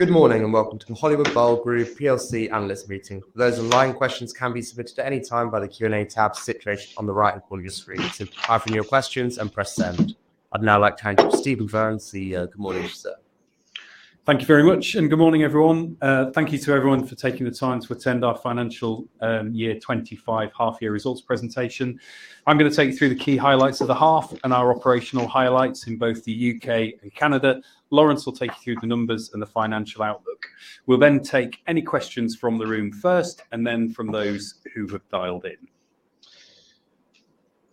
Good morning and welcome to the Hollywood Bowl Group plc Analyst Meeting. For those online, questions can be submitted at any time by the Q&A tab situated on the right of your screen. To ask any of your questions, press send. I'd now like to hand you to Stephen Burns, the Chief Executive Officer. Thank you very much, and good morning, everyone. Thank you to everyone for taking the time to attend our Financial Year 2025 Half-Year Results Presentation. I'm going to take you through the key highlights of the half and our operational highlights in both the U.K. and Canada. Laurence will take you through the numbers and the financial outlook. We'll then take any questions from the room first, and then from those who have dialed in.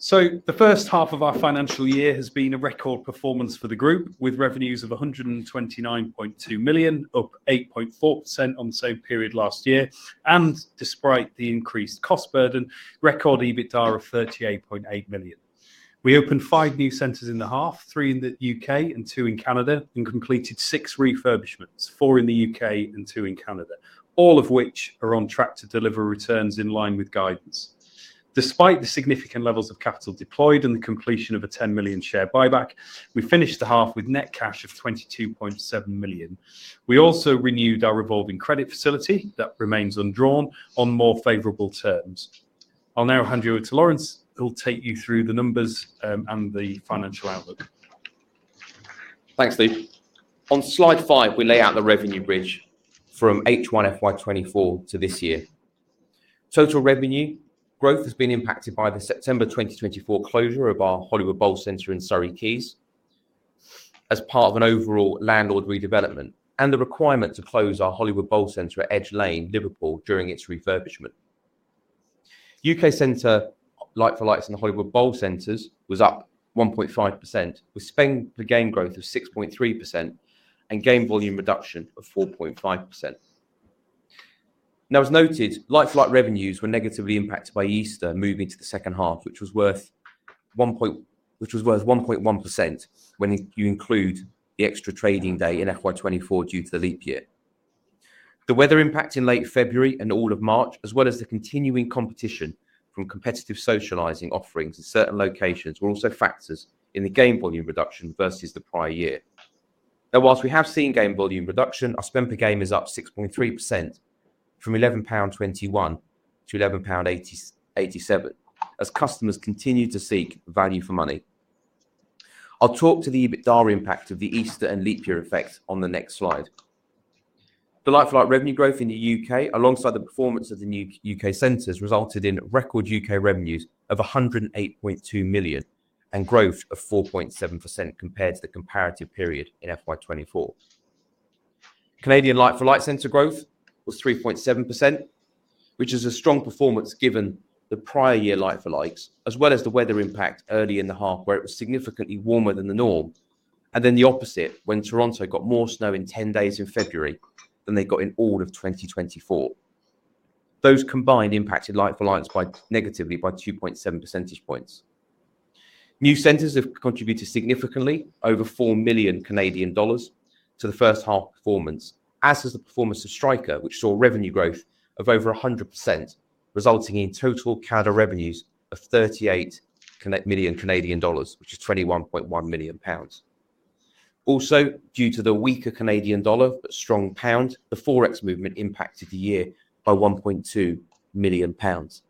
The first half of our financial year has been a record performance for the Group, with revenues of 129.2 million, up 8.4% on the same period last year. Despite the increased cost burden, record EBITDA of 38.8 million. We opened five new centres in the half, three in the U.K. and two in Canada, and completed six refurbishments, four in the U.K. and two in Canada, all of which are on track to deliver returns in line with guidance. Despite the significant levels of capital deployed and the completion of a 10 million share buyback, we finished the half with net cash of 22.7 million. We also renewed our revolving credit facility that remains undrawn on more favourable terms. I'll now hand you over to Laurence, who'll take you through the numbers and the financial outlook. Thanks, Steve. On slide V, we lay out the revenue bridge from H1FY24 to this year. Total revenue growth has been impacted by the September 2024 closure of our Hollywood Bowl Centre in Surrey Quays as part of an overall landlord redevelopment and the requirement to close our Hollywood Bowl Centre at Edge Lane, Liverpool, during its refurbishment. U.K. Centre Light for Lights and the Hollywood Bowl Centres was up 1.5%, with spend per game growth of 6.3% and game volume reduction of 4.5%. Now, as noted, Light for Light revenues were negatively impacted by Easter moving to the second half, which was worth 1.1% when you include the extra trading day in FY24 due to the leap year. The weather impact in late February and all of March, as well as the continuing competition from competitive socialising offerings in certain locations, were also factors in the game volume reduction versus the prior year. Now, whilst we have seen game volume reduction, our spend per game is up 6.3% from 11.21 pound to 11.87 pound, as customers continue to seek value for money. I'll talk to the EBITDA impact of the Easter and leap year effect on the next slide. The like-for-like revenue growth in the U.K., alongside the performance of the new U.K. centres, resulted in record U.K. revenues of 108.2 million and growth of 4.7% compared to the comparative period in 2024. Canadian like-for-like centre growth was 3.7%, which is a strong performance given the prior year like-for-likes, as well as the weather impact early in the half, where it was significantly warmer than the norm. The opposite happened when Toronto got more snow in 10 days in February than they got in all of 2024. Those combined impacted like-for-likes negatively by 2.7 % points. New centres have contributed significantly, over 4 million Canadian dollars, to the first half performance, as has the performance of Striker which saw revenue growth of over 100%, resulting in total CAD revenues of 38 million Canadian dollars, which is 21.1 million pounds. Also, due to the weaker Canadian dollar but strong pound, the forex movement impacted the year by 1.2 million pounds.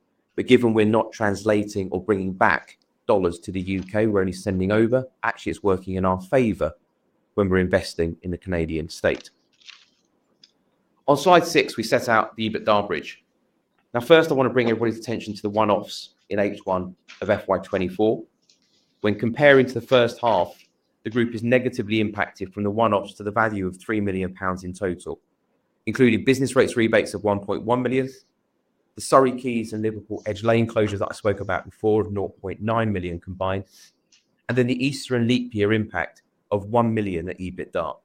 Given we are not translating or bringing back dollars to the U.K., we are only sending over, actually it is working in our favor when we are investing in the Canadian state. On slide VI, we set out the EBITDA bridge. Now, first, I want to bring everybody's attention to the one-offs in H1 of FY2024. When comparing to the first half, the Group is negatively impacted from the one-offs to the value of 3 million pounds in total, including business rates rebates of 1.1 million, the Surrey Quays and Liverpool Edge Lane closures that I spoke about before, of 0.9 million combined, and then the Easter and leap year impact of 1 million at EBITDA.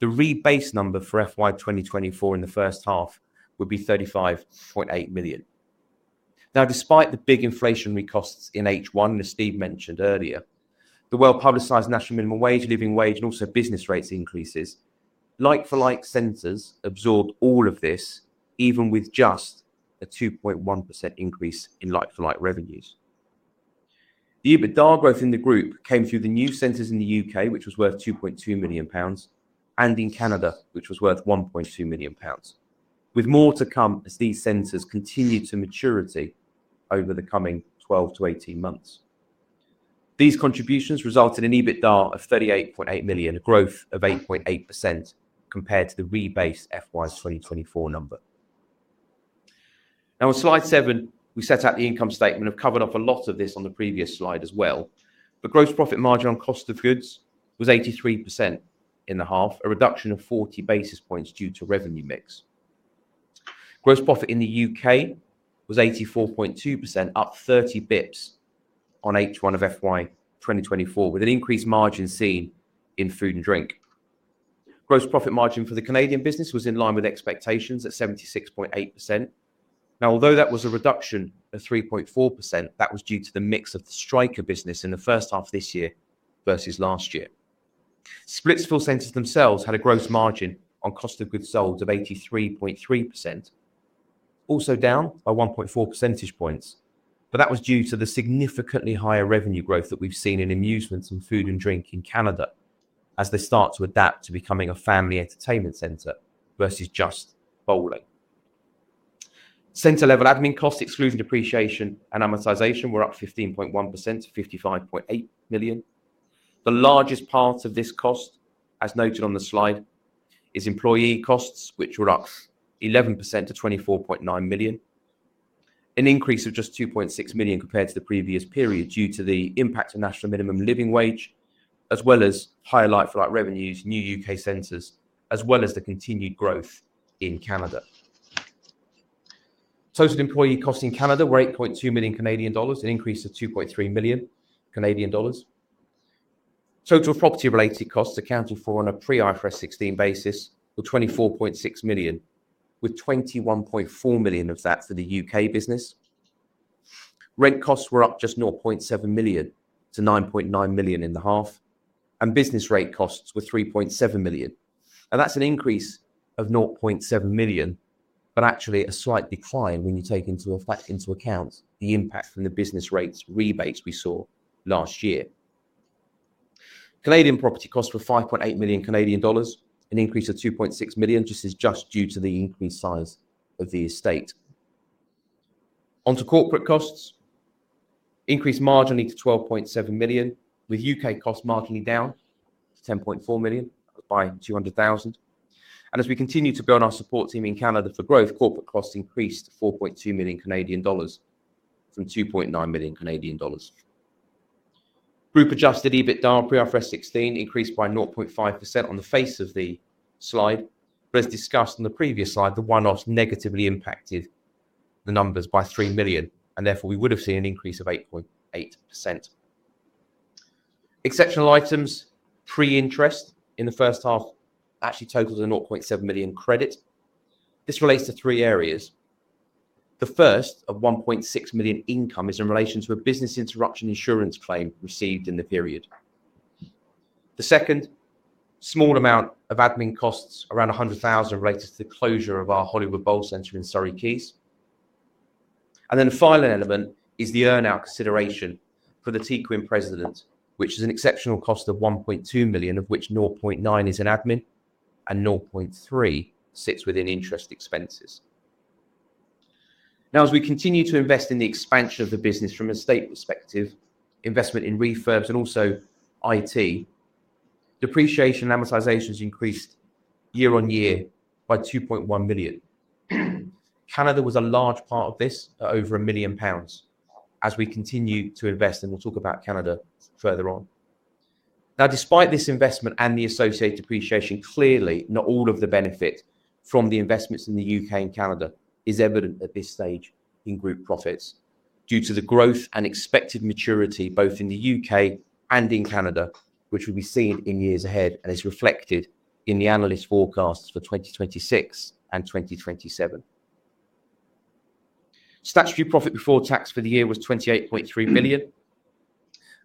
The rebate number for FY2024 in the first half would be 35.8 million. Now, despite the big inflationary costs in H1, as Steve mentioned earlier, the well-publicized national minimum wage, living wage, and also business rates increases, like-for-like centers absorbed all of this, even with just a 2.1% increase in like-for-like revenues. The EBITDA growth in the Group came through the new centers in the U.K., which was worth 2.2 million pounds, and in Canada, which was worth 1.2 million pounds, with more to come as these centers continue to maturity over the coming 12-18 months. These contributions resulted in EBITDA of 38.8 million, a growth of 8.8% compared to the rebased FY2024 number. Now, on slide VII, we set out the income statement. I've covered off a lot of this on the previous slide as well. The gross profit margin on cost of goods was 83% in the half, a reduction of 40 basis points due to revenue mix. Gross profit in the U.K. was 84.2%, up 30 bps on H1 of FY2024, with an increased margin seen in food and drink. Gross profit margin for the Canadian business was in line with expectations at 76.8%. Now, although that was a reduction of 3.4%, that was due to the mix of the Striker business in the first half of this year versus last year. Splitsville centres themselves had a gross margin on cost of goods sold of 83.3%, also down by 1.4 % points. That was due to the significantly higher revenue growth that we've seen in amusements and food and drink in Canada, as they start to adapt to becoming a family entertainment centre versus just bowling. Centre-level admin costs, excluding depreciation and amortization, were up 15.1% to 55.8 million. The largest part of this cost, as noted on the slide, is employee costs, which were up 11% to 24.9 million, an increase of just 2.6 million compared to the previous period due to the impact of national minimum living wage, as well as higher like-for-like revenues, new U.K. centres, as well as the continued growth in Canada. Total employee costs in Canada were 8.2 million Canadian dollars, an increase of 2.3 million Canadian dollars. Total property-related costs accounted for on a pre-IFRS 16 basis were 24.6 million, with 21.4 million of that for the U.K. business. Rent costs were up just 0.7 million to 9.9 million in the half, and business rate costs were 3.7 million. Now, that's an increase of 0.7 million, but actually a slight decline when you take into account the impact from the business rates rebates we saw last year. Canadian property costs were 5.8 million Canadian dollars, an increase of 2.6 million, just due to the increased size of the estate. Onto corporate costs, increased marginally to 12.7 million, with U.K. costs marginally down to 10.4 million by 200,000. As we continue to build our support team in Canada for growth, corporate costs increased to 4.2 million Canadian dollars from 2.9 million Canadian dollars. Group-adjusted EBITDA pre-IFRS 16 increased by 0.5% on the face of the slide, but as discussed on the previous slide, the one-offs negatively impacted the numbers by 3 million, and therefore we would have seen an increase of 8.8%. Exceptional items pre-interest in the first half actually totaled a 0.7 million credit. This relates to three areas. The first, of 1.6 million income, is in relation to a business interruption insurance claim received in the period. The second, small amount of admin costs, around 100,000, related to the closure of our Hollywood Bowl Centre in Surrey Quays. The final element is the earnout consideration for the Teaquinn precedent, which is an exceptional cost of 1.2 million, of which 0.9 million is in admin and 0.3 million sits within interest expenses. Now, as we continue to invest in the expansion of the business from a state perspective, investment in refurbs and also IT, depreciation and amortization has increased year on year by 2.1 million. Canada was a large part of this, over 1 million pounds, as we continue to invest, and we'll talk about Canada further on. Now, despite this investment and the associated depreciation, clearly not all of the benefit from the investments in the U.K. and Canada is evident at this stage in Group profits due to the growth and expected maturity both in the U.K. and in Canada, which will be seen in years ahead and is reflected in the analyst forecasts for 2026 and 2027. Statutory profit before tax for the year was 28.3 million.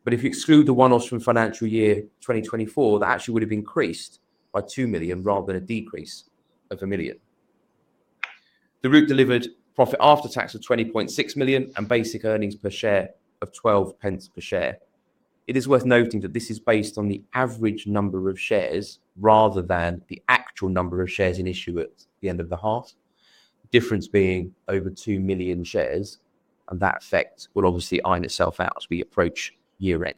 If you exclude the one-offs from financial year 2024, that actually would have increased by 2 million rather than a decrease of 1 million. The Group delivered profit after tax of 20.6 million and basic earnings per share of 0.12 per share. It is worth noting that this is based on the average number of shares rather than the actual number of shares in issue at the end of the half, the difference being over 2 million shares, and that effect will obviously iron itself out as we approach year-end.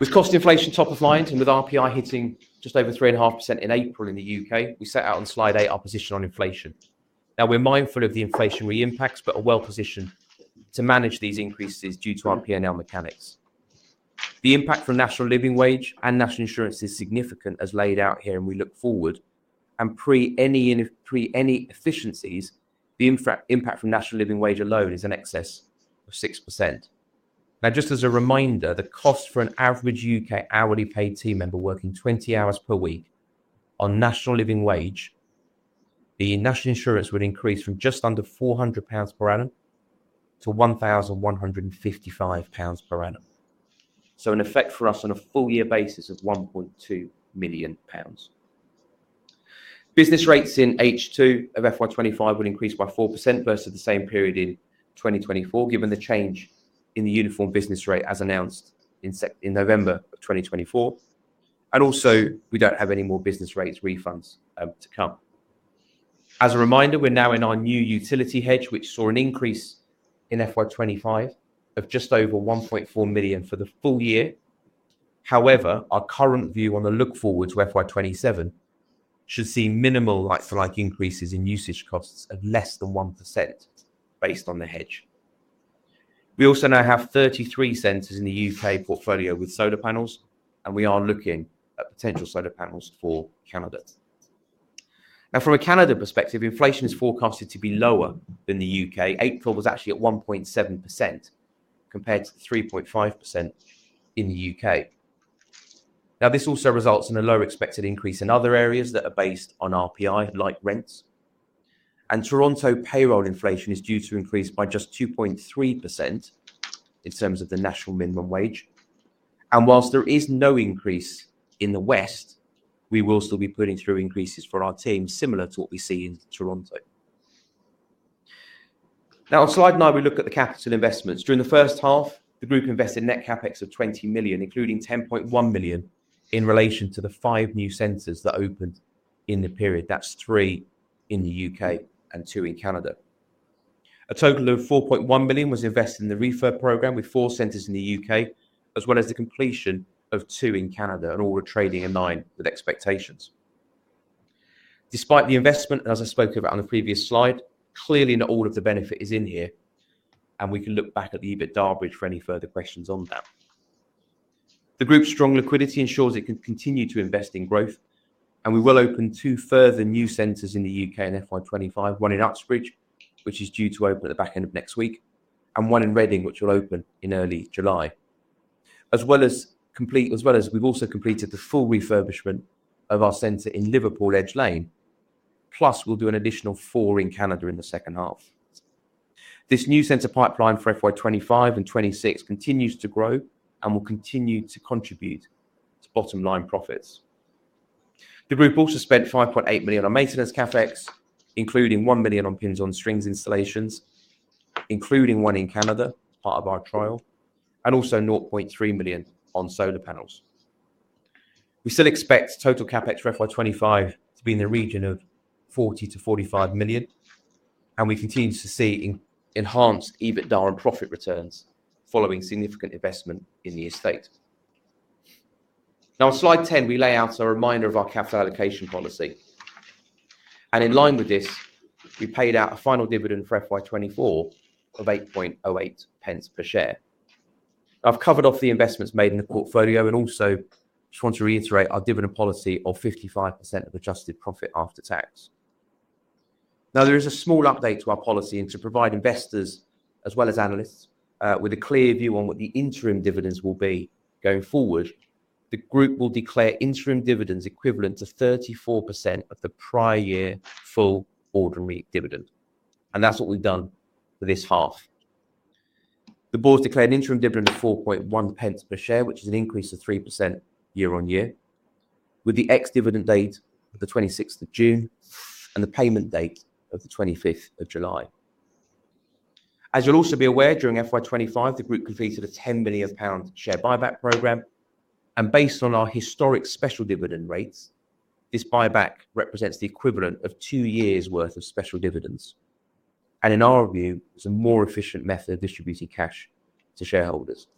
With cost inflation top of mind and with RPI hitting just over 3.5% in April in the U.K., we set out on slide VIII our position on inflation. Now, we're mindful of the inflationary impacts but are well positioned to manage these increases due to our P&L mechanics. The impact from national living wage and national insurance is significant, as laid out here, and we look forward. And pre any efficiencies, the impact from national living wage alone is in excess of 6%. Now, just as a reminder, the cost for an average U.K. hourly paid team member working 20 hours per week on national living wage, the national insurance would increase from just under 400 pounds per annum to 1,155 pounds per annum. So, an effect for us on a full year basis of 1.2 million pounds. Business rates in H2 of FY2025 will increase by 4% versus the same period in 2024, given the change in the uniform business rate as announced in November of 2024. Also, we do not have any more business rates refunds to come. As a reminder, we are now in our new utility hedge, which saw an increase in FY2025 of just over 1.4 million for the full year. However, our current view on the look forward to FY2027 should see minimal like-for-like increases in usage costs of less than 1% based on the hedge. We also now have 33 centres in the U.K. portfolio with solar panels, and we are looking at potential solar panels for Canada. Now, from a Canada perspective, inflation is forecasted to be lower than the U.K. April was actually at 1.7% compared to 3.5% in the U.K. This also results in a low expected increase in other areas that are based on RPI, like rents. Toronto payroll inflation is due to increase by just 2.3% in terms of the national minimum wage. Whilst there is no increase in the West, we will still be putting through increases for our team, similar to what we see in Toronto. Now, on slide IX, we look at the capital investments. During the first half, the Group invested net CapEx of 20 million, including 10.1 million in relation to the five new centres that opened in the period. That's three in the U.K. and two in Canada. A total of 4.1 million was invested in the refurb program with four centers in the U.K., as well as the completion of two in Canada, and all are trading in line with expectations. Despite the investment, and as I spoke about on the previous slide, clearly not all of the benefit is in here, and we can look back at the EBITDA bridge for any further questions on that. The Group's strong liquidity ensures it can continue to invest in growth, and we will open two further new centers in the U.K. in FY2025, one in Uxbridge, which is due to open at the back end of next week, and one in Reading, which will open in early July, as well as we've also completed the full refurbishment of our center in Liverpool Edge Lane. Plus, we'll do an additional four in Canada in the second half. This new centre pipeline for FY2025 and 2026 continues to grow and will continue to contribute to bottom line profits. The Group also spent 5.8 million on maintenance capex, including 1 million on pins-on-strings installations, including one in Canada, part of our trial, and also 0.3 million on solar panels. We still expect total capex for FY2025 to be in the region of GBP40-GBP 45 million, and we continue to see enhanced EBITDA and profit returns following significant investment in the estate. Now, on slide X, we lay out a reminder of our capital allocation policy. In line with this, we paid out a final dividend for FY2024 of 8.08 per share. I've covered off the investments made in the portfolio and also just want to reiterate our dividend policy of 55% of adjusted profit after tax. Now, there is a small update to our policy and to provide investors, as well as analysts, with a clear view on what the interim dividends will be going forward. The Group will declare interim dividends equivalent to 34% of the prior year full ordinary dividend. That is what we've done for this half. The board has declared an interim dividend of 4.1 per share, which is an increase of 3% year-on-year, with the ex-dividend date of the 26th of June and the payment date of the 25th of July. As you'll also be aware, during FY2025, the Group completed a 10 million pound share buyback program. Based on our historic special dividend rates, this buyback represents the equivalent of two years' worth of special dividends. In our view, it is a more efficient method of distributing cash to shareholders.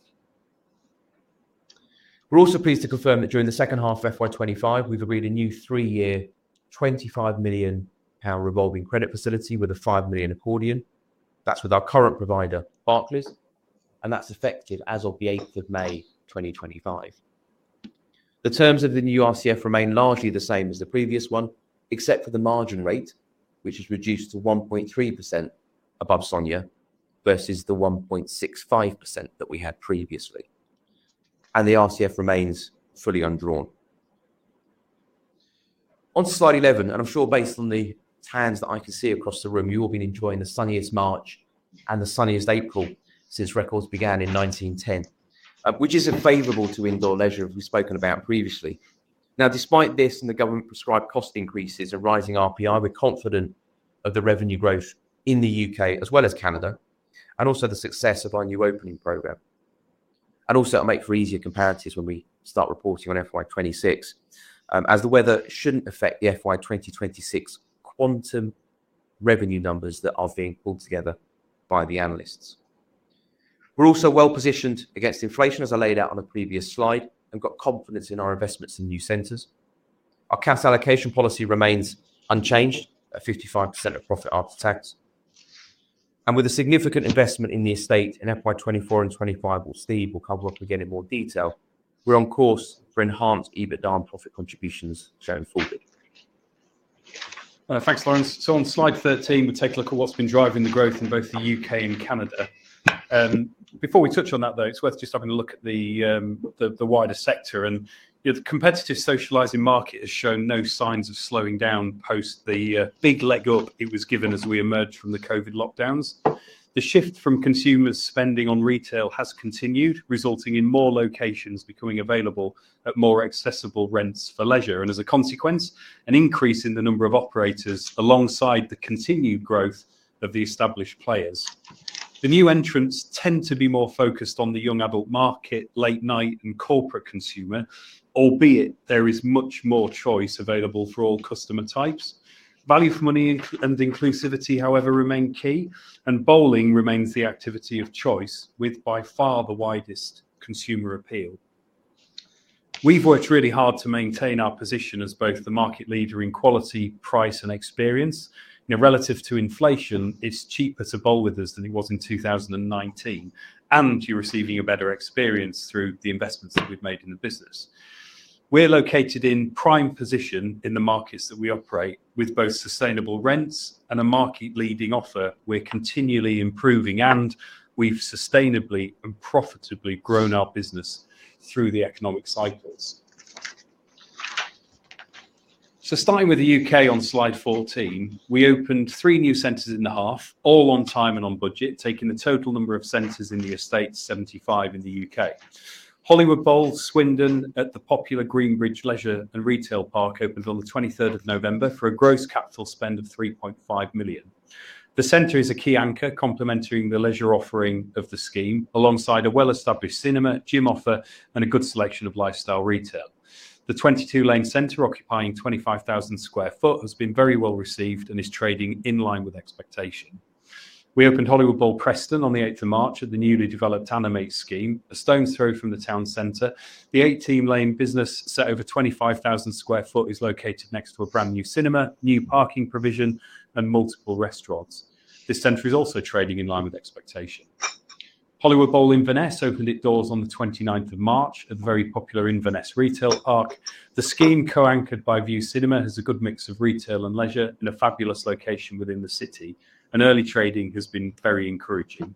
We are also pleased to confirm that during the second half of FY2025, we have agreed a new three-year 25 million pound revolving credit facility with a 5 million accordion. That is with our current provider, Barclays, and that is effective as of the 8th of May 2025. The terms of the new RCF remain largely the same as the previous one, except for the margin rate, which is reduced to 1.3% above SONIA versus the 1.65% that we had previously. The RCF remains fully undrawn. On slide XI, and I'm sure based on the hands that I can see across the room, you've all been enjoying the sunniest March and the sunniest April since records began in 1910, which isn't favorable to indoor leisure, as we've spoken about previously. Now, despite this and the government-prescribed cost increases and rising RPI, we're confident of the revenue growth in the U.K., as well as Canada, and also the success of our new opening program. Also, it'll make for easier comparisons when we start reporting on FY2026, as the weather shouldn't affect the FY2026 quantum revenue numbers that are being pulled together by the analysts. We're also well positioned against inflation, as I laid out on a previous slide, and got confidence in our investments in new centers. Our capital allocation policy remains unchanged at 55% of profit after tax. With a significant investment in the estate in FY 2024 and 2025, we'll see, we'll cover up again in more detail, we're on course for enhanced EBITDA and profit contributions going forward. Thanks, Laurence. On slide XIII, we'll take a look at what's been driving the growth in both the U.K. and Canada. Before we touch on that, though, it's worth just having a look at the wider sector. The competitive socialising market has shown no signs of slowing down post the big leg up it was given as we emerged from the COVID lockdowns. The shift from consumers spending on retail has continued, resulting in more locations becoming available at more accessible rents for leisure. As a consequence, an increase in the number of operators alongside the continued growth of the established players. The new entrants tend to be more focused on the young adult market, late-night and corporate consumer, albeit there is much more choice available for all customer types. Value for money and inclusivity, however, remain key, and bowling remains the activity of choice with by far the widest consumer appeal. We've worked really hard to maintain our position as both the market leader in quality, price, and experience. Relative to inflation, it's cheaper to bowl with us than it was in 2019, and you're receiving a better experience through the investments that we've made in the business. We're located in prime position in the markets that we operate with both sustainable rents and a market-leading offer. We're continually improving, and we've sustainably and profitably grown our business through the economic cycles. Starting with the U.K. on slide XIV, we opened three new centers in the half, all on time and on budget, taking the total number of centers in the estate, 75 in the U.K. Hollywood Bowl, Swindon at the popular Greenbridge Leisure and Retail Park opened on the 23rd of November for a gross capital spend of 3.5 million. The center is a key anchor complementing the leisure offering of the scheme, alongside a well-established cinema, gym offer, and a good selection of lifestyle retail. The 22-lane center, occupying 25,000 sq ft, has been very well received and is trading in line with expectation. We opened Hollywood Bowl Preston on the 8th of March at the newly developed Animate Scheme, a stone's throw from the town center. The 18-lane business set over 25,000 sq ft is located next to a brand new cinema, new parking provision, and multiple restaurants. This centre is also trading in line with expectation. Hollywood Bowl Inverness opened its doors on the 29th of March at the very popular Inverness Retail Park. The scheme, co-anchored by View Cinema, has a good mix of retail and leisure in a fabulous location within the city. Early trading has been very encouraging.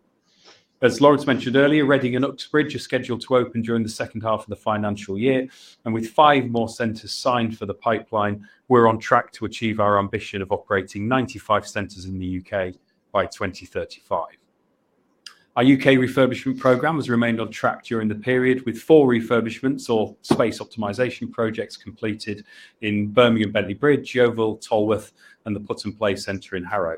As Laurence mentioned earlier, Reading and Uxbridge are scheduled to open during the second half of the financial year. With five more centres signed for the pipeline, we're on track to achieve our ambition of operating 95 centres in the U.K. by 2035. Our U.K. refurbishment program has remained on track during the period, with four refurbishments or space optimisation projects completed in Birmingham Bentley Bridge, Yeovil, Tolworth, and the Putt & Play Centre in Harrow.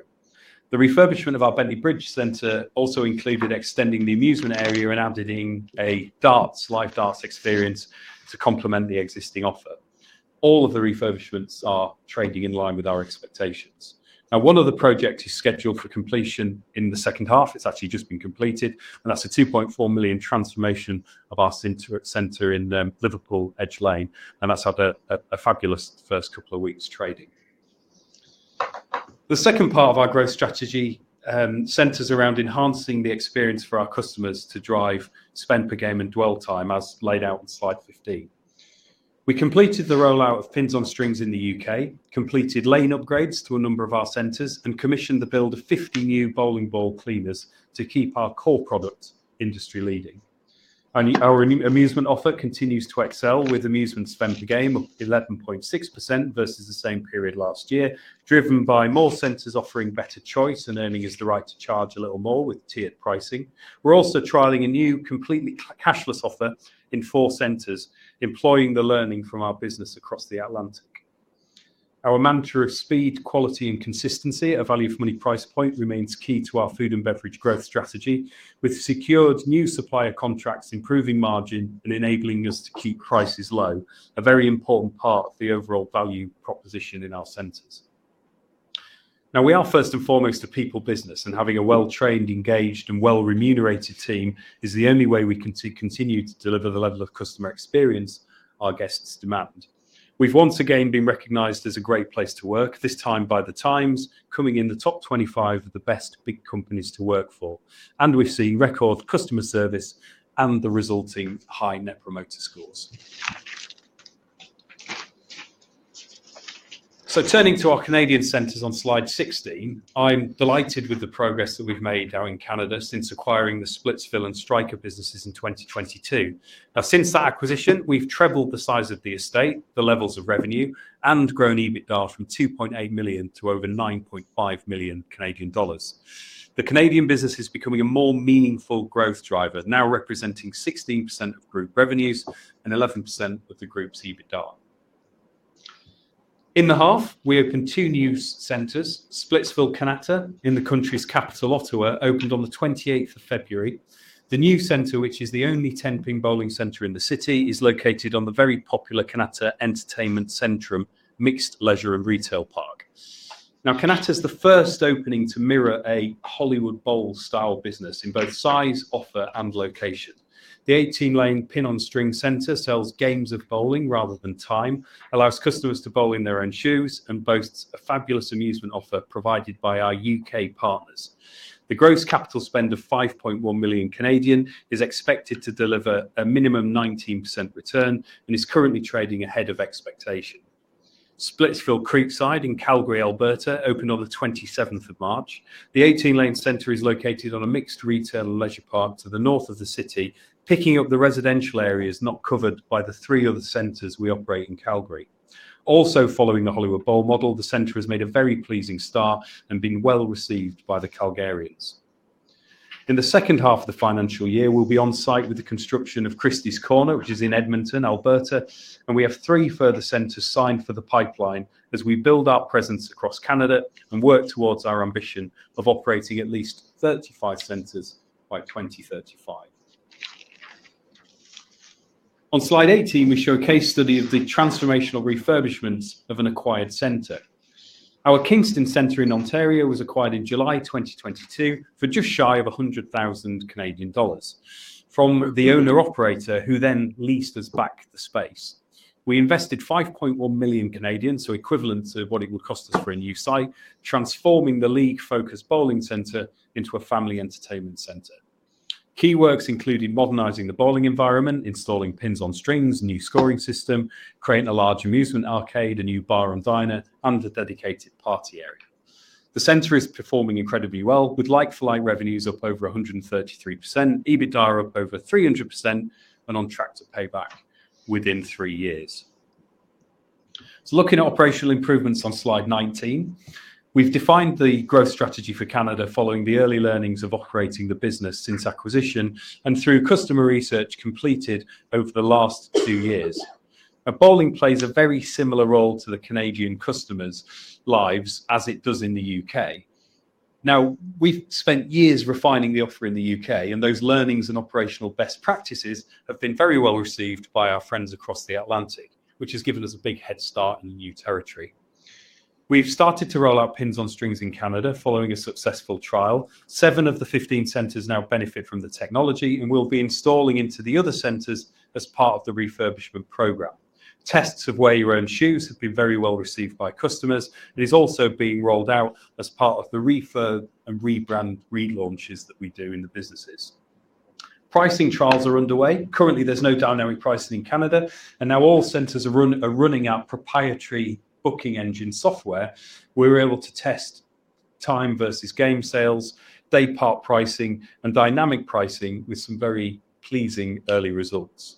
The refurbishment of our Bentley Bridge Centre also included extending the amusement area and adding a darts, live darts experience to complement the existing offer. All of the refurbishments are trading in line with our expectations. Now, one of the projects is scheduled for completion in the second half. It's actually just been completed, and that's a 2.4 million transformation of our centre in Liverpool Edge Lane. That's had a fabulous first couple of weeks trading. The second part of our growth strategy centres around enhancing the experience for our customers to drive spend per game and dwell time, as laid out on slide XV. We completed the rollout of pins-on-strings in the U.K., completed lane upgrades to a number of our centres, and commissioned the build of 50 new bowling ball cleaners to keep our core product industry leading. Our amusement offer continues to excel with amusement spend per game of 11.6% versus the same period last year, driven by more centres offering better choice and earning us the right to charge a little more with tiered pricing. We are also trialling a new completely cashless offer in four centres, employing the learning from our business across the Atlantic. Our mantra of speed, quality, and consistency, a value for money price point, remains key to our food and beverage growth strategy, with secured new supplier contracts improving margin and enabling us to keep prices low, a very important part of the overall value proposition in our centres. We are first and foremost a people business, and having a well-trained, engaged, and well-remunerated team is the only way we can continue to deliver the level of customer experience our guests demand. We've once again been recognized as a great place to work, this time by The Times, coming in the top 25 of the best big companies to work for. We've seen record customer service and the resulting high Net Promoter Scores. Turning to our Canadian centers on slide XVI, I'm delighted with the progress that we've made now in Canada since acquiring the Splitsville and Strike businesses in 2022. Since that acquisition, we've trebled the size of the estate, the levels of revenue, and grown EBITDA from 2.8 million to over 9.5 million Canadian dollars. The Canadian business is becoming a more meaningful growth driver, now representing 16% of group revenues and 11% of the group's EBITDA. In the half, we opened two new centers, Splitsville, Kanata, in the country's capital, Ottawa, opened on the 28th of February. The new centre, which is the only 10-pin bowling centre in the city, is located on the very popular Kanata Entertainment Centrum mixed leisure and retail park. Now, Kanata is the first opening to mirror a Hollywood Bowl style business in both size, offer, and location. The 18-lane pin-on-string centre sells games of bowling rather than time, allows customers to bowl in their own shoes, and boasts a fabulous amusement offer provided by our U.K. partners. The gross capital spend of 5.1 million is expected to deliver a minimum 19% return and is currently trading ahead of expectation. Splitsville Creekside in Calgary, Alberta, opened on the 27th of March. The 18-lane centre is located on a mixed retail and leisure park to the north of the city, picking up the residential areas not covered by the three other centres we operate in Calgary. Also, following the Hollywood Bowl model, the centre has made a very pleasing start and been well received by the Calgarians. In the second half of the financial year, we'll be on site with the construction of Christy's Corner, which is in Edmonton, Alberta, and we have three further centres signed for the pipeline as we build our presence across Canada and work towards our ambition of operating at least 35 centres by 2035. On slide XVIII, we show a case study of the transformational refurbishment of an acquired centre. Our Kingston Centre in Ontario was acquired in July 2022 for just shy of 100,000 Canadian dollars from the owner-operator who then leased us back the space. We invested 5.1 million, so equivalent to what it would cost us for a new site, transforming the league-focused bowling centre into a family entertainment centre. Key works included modernizing the bowling environment, installing pins-on-strings, new scoring system, creating a large amusement arcade, a new bar and diner, and a dedicated party area. The center is performing incredibly well, with like-for-like revenues up over 133%, EBITDA up over 300%, and on track to pay back within three years. Looking at operational improvements on slide XIX, we've defined the growth strategy for Canada following the early learnings of operating the business since acquisition and through customer research completed over the last two years. Bowling plays a very similar role to the Canadian customers' lives as it does in the U.K. We've spent years refining the offer in the U.K., and those learnings and operational best practices have been very well received by our friends across the Atlantic, which has given us a big head start in the new territory. We've started to roll out pins-on-strings in Canada following a successful trial. Seven of the 15 centres now benefit from the technology and will be installing into the other centres as part of the refurbishment programme. Tests of wear your own shoes have been very well received by customers. It is also being rolled out as part of the refurb and rebrand relaunches that we do in the businesses. Pricing trials are underway. Currently, there's no dynamic pricing in Canada, and now all centres are running our proprietary booking engine software. We're able to test time versus game sales, daypart pricing, and dynamic pricing with some very pleasing early results.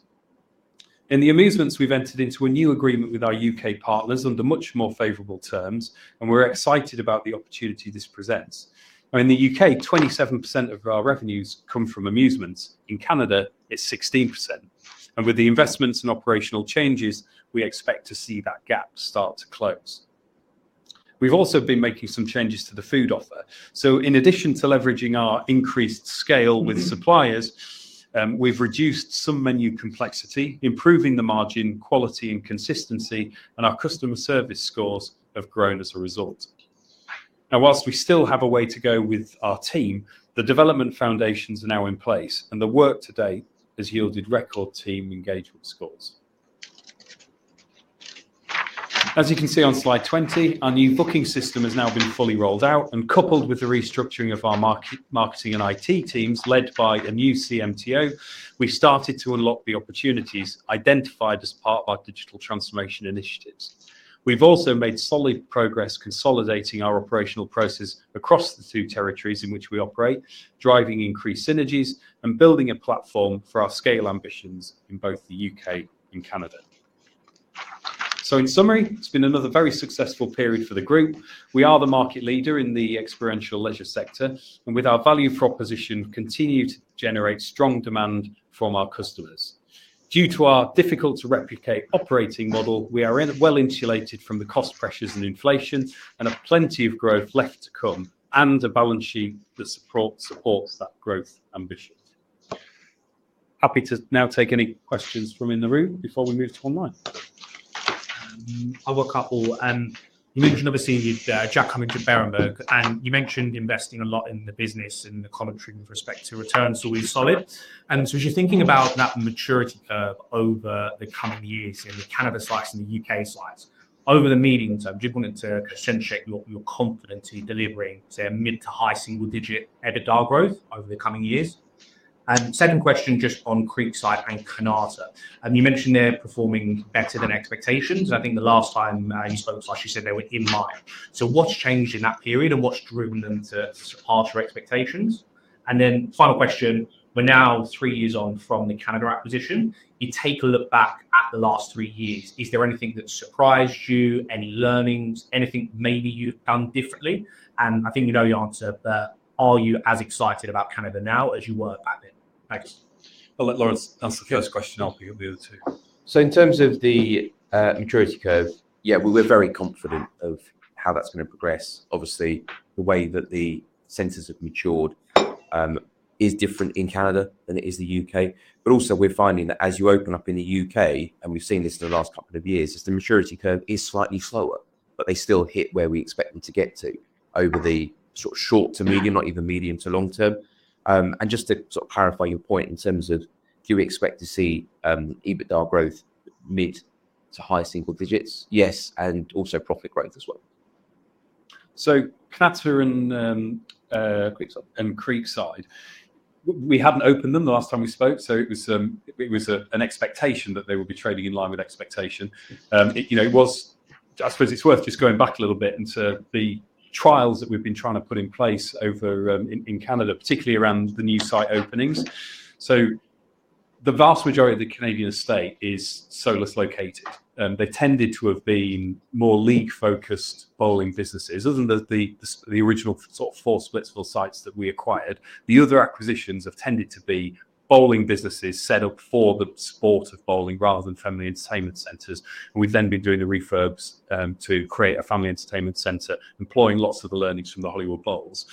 In the amusements, we've entered into a new agreement with our U.K. partners under much more favorable terms, and we're excited about the opportunity this presents. Now, in the U.K., 27% of our revenues come from amusements. In Canada, it's 16%. With the investments and operational changes, we expect to see that gap start to close. We've also been making some changes to the food offer. In addition to leveraging our increased scale with suppliers, we've reduced some menu complexity, improving the margin, quality, and consistency, and our customer service scores have grown as a result. Now, whilst we still have a way to go with our team, the development foundations are now in place, and the work to date has yielded record team engagement scores. As you can see on slide XX, our new booking system has now been fully rolled out, and coupled with the restructuring of our marketing and IT teams led by a new CMTO, we've started to unlock the opportunities identified as part of our digital transformation initiatives. We've also made solid progress consolidating our operational process across the two territories in which we operate, driving increased synergies and building a platform for our scale ambitions in both the U.K. and Canada. In summary, it's been another very successful period for the group. We are the market leader in the experiential leisure sector, and with our value proposition, we continue to generate strong demand from our customers. Due to our difficult-to-replicate operating model, we are well insulated from the cost pressures and inflation and have plenty of growth left to come and a balance sheet that supports that growth ambition. Happy to now take any questions from in the room before we move to online. I'll work out all. I'm moving to another scene, Jack Cummings, Berenberg, and you mentioned investing a lot in the business and the commentary with respect to returns to be solid. As you're thinking about that maturity curve over the coming years in the Canada slice and the U.K. slice, over the medium term, do you want to accentuate your confidence in delivering, say, a mid to high single-digit EBITDA growth over the coming years? Second question, just on Creekside and Kanata, you mentioned they're performing better than expectations. I think the last time you spoke to us, you said they were in line. What's changed in that period and what's driven them to surpass your expectations? Final question, we're now three years on from the Canada acquisition. You take a look back at the last three years. Is there anything that surprised you, any learnings, anything maybe you've done differently? I think we know your answer, but are you as excited about Canada now as you were back then? Thanks. Laurence, that's the first question. I'll put you on the other two. In terms of the maturity curve, yeah, we're very confident of how that's going to progress. Obviously, the way that the centres have matured is different in Canada than it is the U.K. Also, we're finding that as you open up in the U.K., and we've seen this in the last couple of years, the maturity curve is slightly slower, but they still hit where we expect them to get to over the sort of short to medium, not even medium to long term. Just to sort of clarify your point in terms of, do we expect to see EBITDA growth mid to high single digits? Yes, and also profit growth as well. Kanata and Creekside, we had not opened them the last time we spoke, so it was an expectation that they would be trading in line with expectation. You know, I suppose it is worth just going back a little bit into the trials that we have been trying to put in place over in Canada, particularly around the new site openings. The vast majority of the Canadian estate is solos located. They tended to have been more league-focused bowling businesses. Other than the original sort of four Splitsville sites that we acquired, the other acquisitions have tended to be bowling businesses set up for the sport of bowling rather than family entertainment centres. We have then been doing the refurbs to create a family entertainment centre, employing lots of the learnings from the Hollywood Bowls.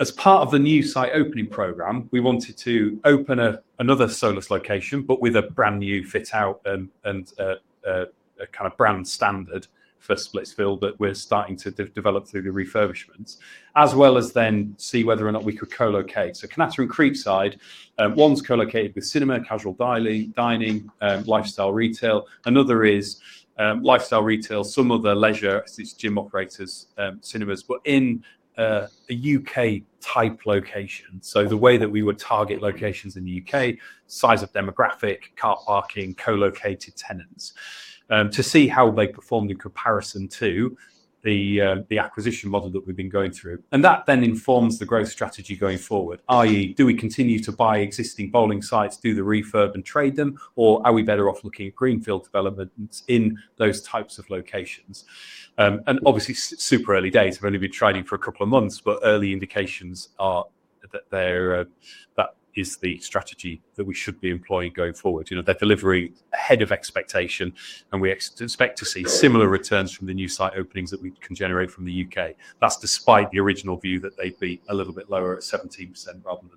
As part of the new site opening program, we wanted to open another solos location, but with a brand new fit-out and a kind of brand standard for Splitsville that we're starting to develop through the refurbishments, as well as then see whether or not we could co-locate. Kanata and Creekside, one's co-located with cinema, casual dining, lifestyle retail. Another is lifestyle retail, some of the leisure, it's gym operators, cinemas, but in a U.K.-type location. The way that we would target locations in the U.K., size of demographic, car parking, co-located tenants, to see how they performed in comparison to the acquisition model that we've been going through. That then informs the growth strategy going forward, i.e., do we continue to buy existing bowling sites, do the refurb and trade them, or are we better off looking at greenfield developments in those types of locations? Obviously, super early days, we've only been trading for a couple of months, but early indications are that that is the strategy that we should be employing going forward. You know, they're delivering ahead of expectation, and we expect to see similar returns from the new site openings that we can generate from the U.K. That's despite the original view that they'd be a little bit lower at 17% rather than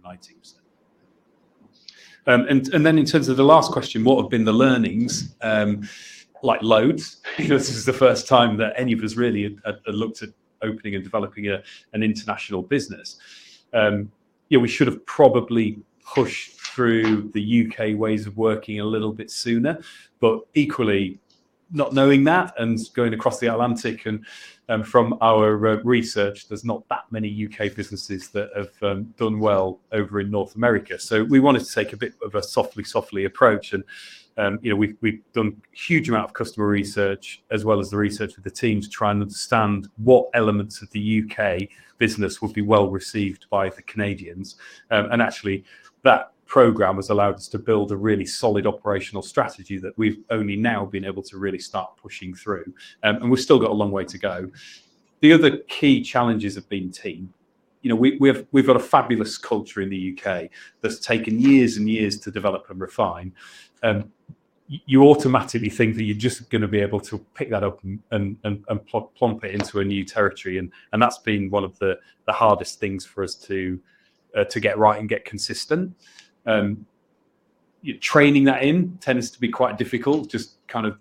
19%.In terms of the last question, what have been the learnings, like loads? This is the first time that any of us really had looked at opening and developing an international business. You know, we should have probably pushed through the U.K. ways of working a little bit sooner, but equally, not knowing that and going across the Atlantic and from our research, there's not that many U.K. businesses that have done well over in North America. We wanted to take a bit of a softly, softly approach. You know, we've done a huge amount of customer research, as well as the research with the team, to try and understand what elements of the U.K. business would be well received by the Canadians. Actually, that program has allowed us to build a really solid operational strategy that we've only now been able to really start pushing through. We've still got a long way to go. The other key challenges have been team. You know, we've got a fabulous culture in the U.K. that's taken years and years to develop and refine. You automatically think that you're just going to be able to pick that up and plump it into a new territory. That's been one of the hardest things for us to get right and get consistent. Training that in tends to be quite difficult, just kind of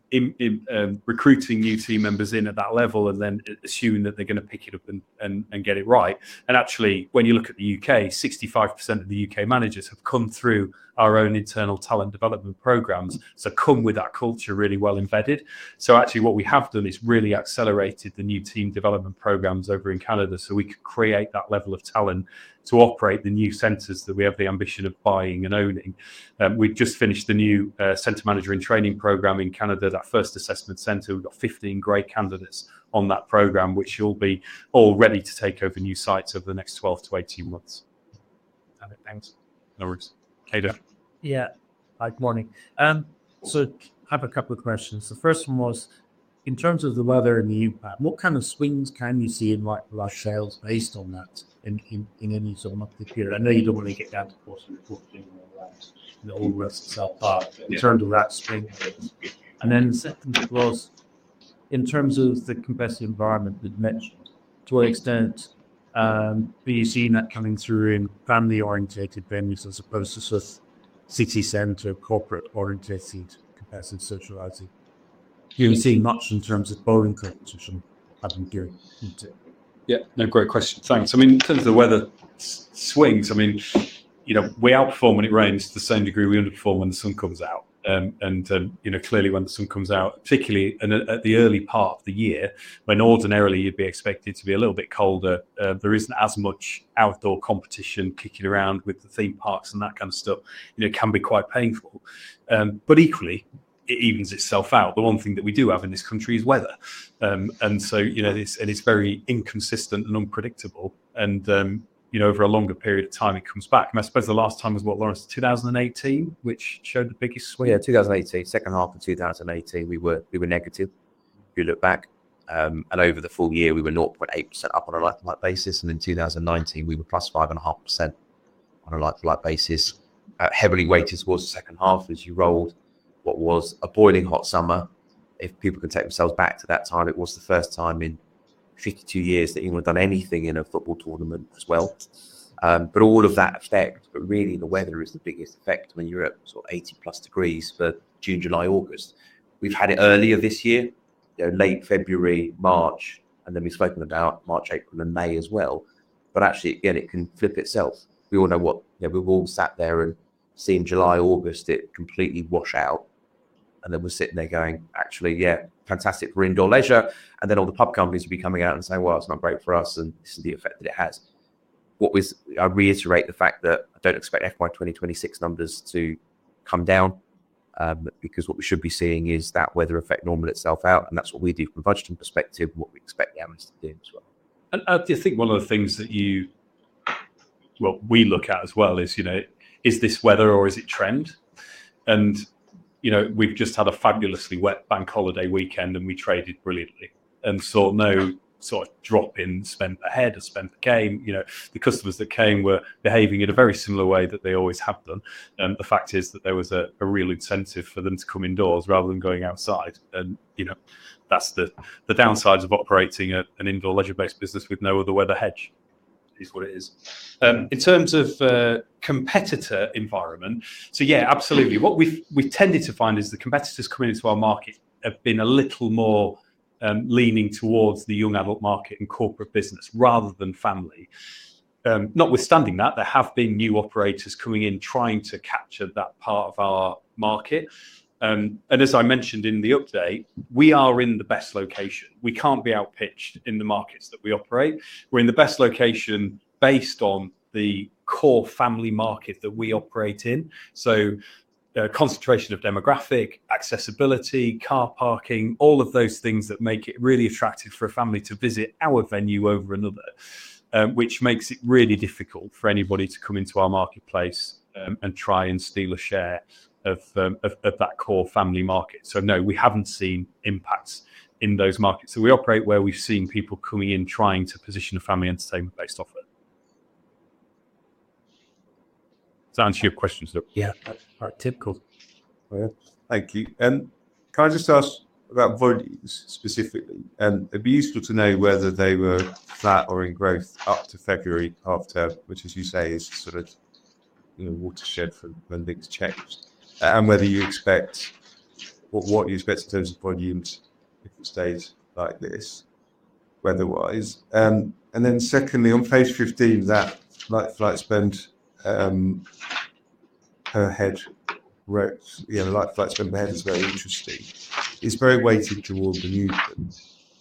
recruiting new team members in at that level and then assuming that they're going to pick it up and get it right. Actually, when you look at the U.K., 65% of the U.K. managers have come through our own internal talent development programmes. So, come with that culture really well embedded. Actually, what we have done is really accelerated the new team development programs over in Canada so we could create that level of talent to operate the new centers that we have the ambition of buying and owning. We've just finished the new center manager in training program in Canada, that first assessment center. We've got 15 great candidates on that program, which will be all ready to take over new sites over the next 12-18 months. Thanks. No worries. Katie. Yeah, good morning. I have a couple of questions. The first one was, in terms of the weather in the U.K., what kind of swings can you see in like the last sales based on that in in any sort of market period? I know you do not want to get down to the bottom reporting on that in the whole rest of South Park in terms of that swing. The second was, in terms of the competitive environment that you mentioned, to what extent have you seen that coming through in family-oriented venues as opposed to sort of city-centre, corporate-oriented competitive socializing? Do you see much in terms of bowling competition having to do with it? Yeah, no great question. Thanks. I mean, in terms of the weather swings, I mean, you know, we outperform when it rains to the same degree we underperform when the sun comes out. You know, clearly when the sun comes out, particularly at the early part of the year, when ordinarily you'd be expected to be a little bit colder, there is not as much outdoor competition kicking around with the theme parks and that kind of stuff. You know, it can be quite painful. Equally, it evens itself out. The one thing that we do have in this country is weather. You know, it is very inconsistent and unpredictable. You know, over a longer period of time, it comes back. I suppose the last time was what, Laurence, 2018, which showed the biggest swing? Yeah, 2018, second half of 2018, we were negative. If you look back, over the full year, we were 0.8% up on a like-to-like basis. In 2019, we were plus 5.5% on a like-to-like basis. Heavily weighted towards the second half as you rolled, what was a boiling hot summer. If people can take themselves back to that time, it was the first time in 52 years that you would have done anything in a football tournament as well. All of that affect, but really the weather is the biggest effect when you're at sort of +80° for June, July, August. We've had it earlier this year, you know, late February, March, and then we've spoken about March, April, and May as well. Actually, again, it can flip itself. We all know what, you know, we've all sat there and seen July, August, it completely wash out. Then we're sitting there going, actually, yeah, fantastic for indoor leisure. All the pub companies will be coming out and saying, well, it's not great for us, and this is the effect that it has. I reiterate the fact that I don't expect FY 2026 numbers to come down, because what we should be seeing is that weather effect normal itself out. That's what we do from a budgeting perspective, and what we expect the analysts to do as well. I think one of the things that you, well, we look at as well is, you know, is this weather or is it trend? You know, we've just had a fabulously wet bank holiday weekend, and we traded brilliantly. We saw no sort of drop in spend ahead or spend a game. The customers that came were behaving in a very similar way that they always have done. The fact is that there was a real incentive for them to come indoors rather than going outside. You know, that's the downsides of operating an indoor leisure-based business with no other weather hedge. It is what it is. In terms of competitor environment, yeah, absolutely. What we've tended to find is the competitors coming into our market have been a little more leaning towards the young adult market and corporate business rather than family. Notwithstanding that, there have been new operators coming in trying to capture that part of our market. As I mentioned in the update, we are in the best location. We can't be outpitched in the markets that we operate. We're in the best location based on the core family market that we operate in. Concentration of demographic, accessibility, car parking, all of those things that make it really attractive for a family to visit our venue over another, which makes it really difficult for anybody to come into our marketplace and try and steal a share of that core family market. No, we have not seen impacts in those markets. We operate where we have seen people coming in trying to position a family entertainment-based offer. Does that answer your question, sir? Yeah, that is our typical. Thank you. Can I just ask about Voody specifically? It would be useful to know whether they were flat or in growth up to February half term, which, as you say, is sort of, you know, watershed for when things change. And whether you expect what you expect in terms of volumes if it stays like this, weather-wise. Then secondly, on page XV, that like-to-like spend per head ropes, you know, like-to-like spend per head is very interesting. It is very weighted towards the new spend.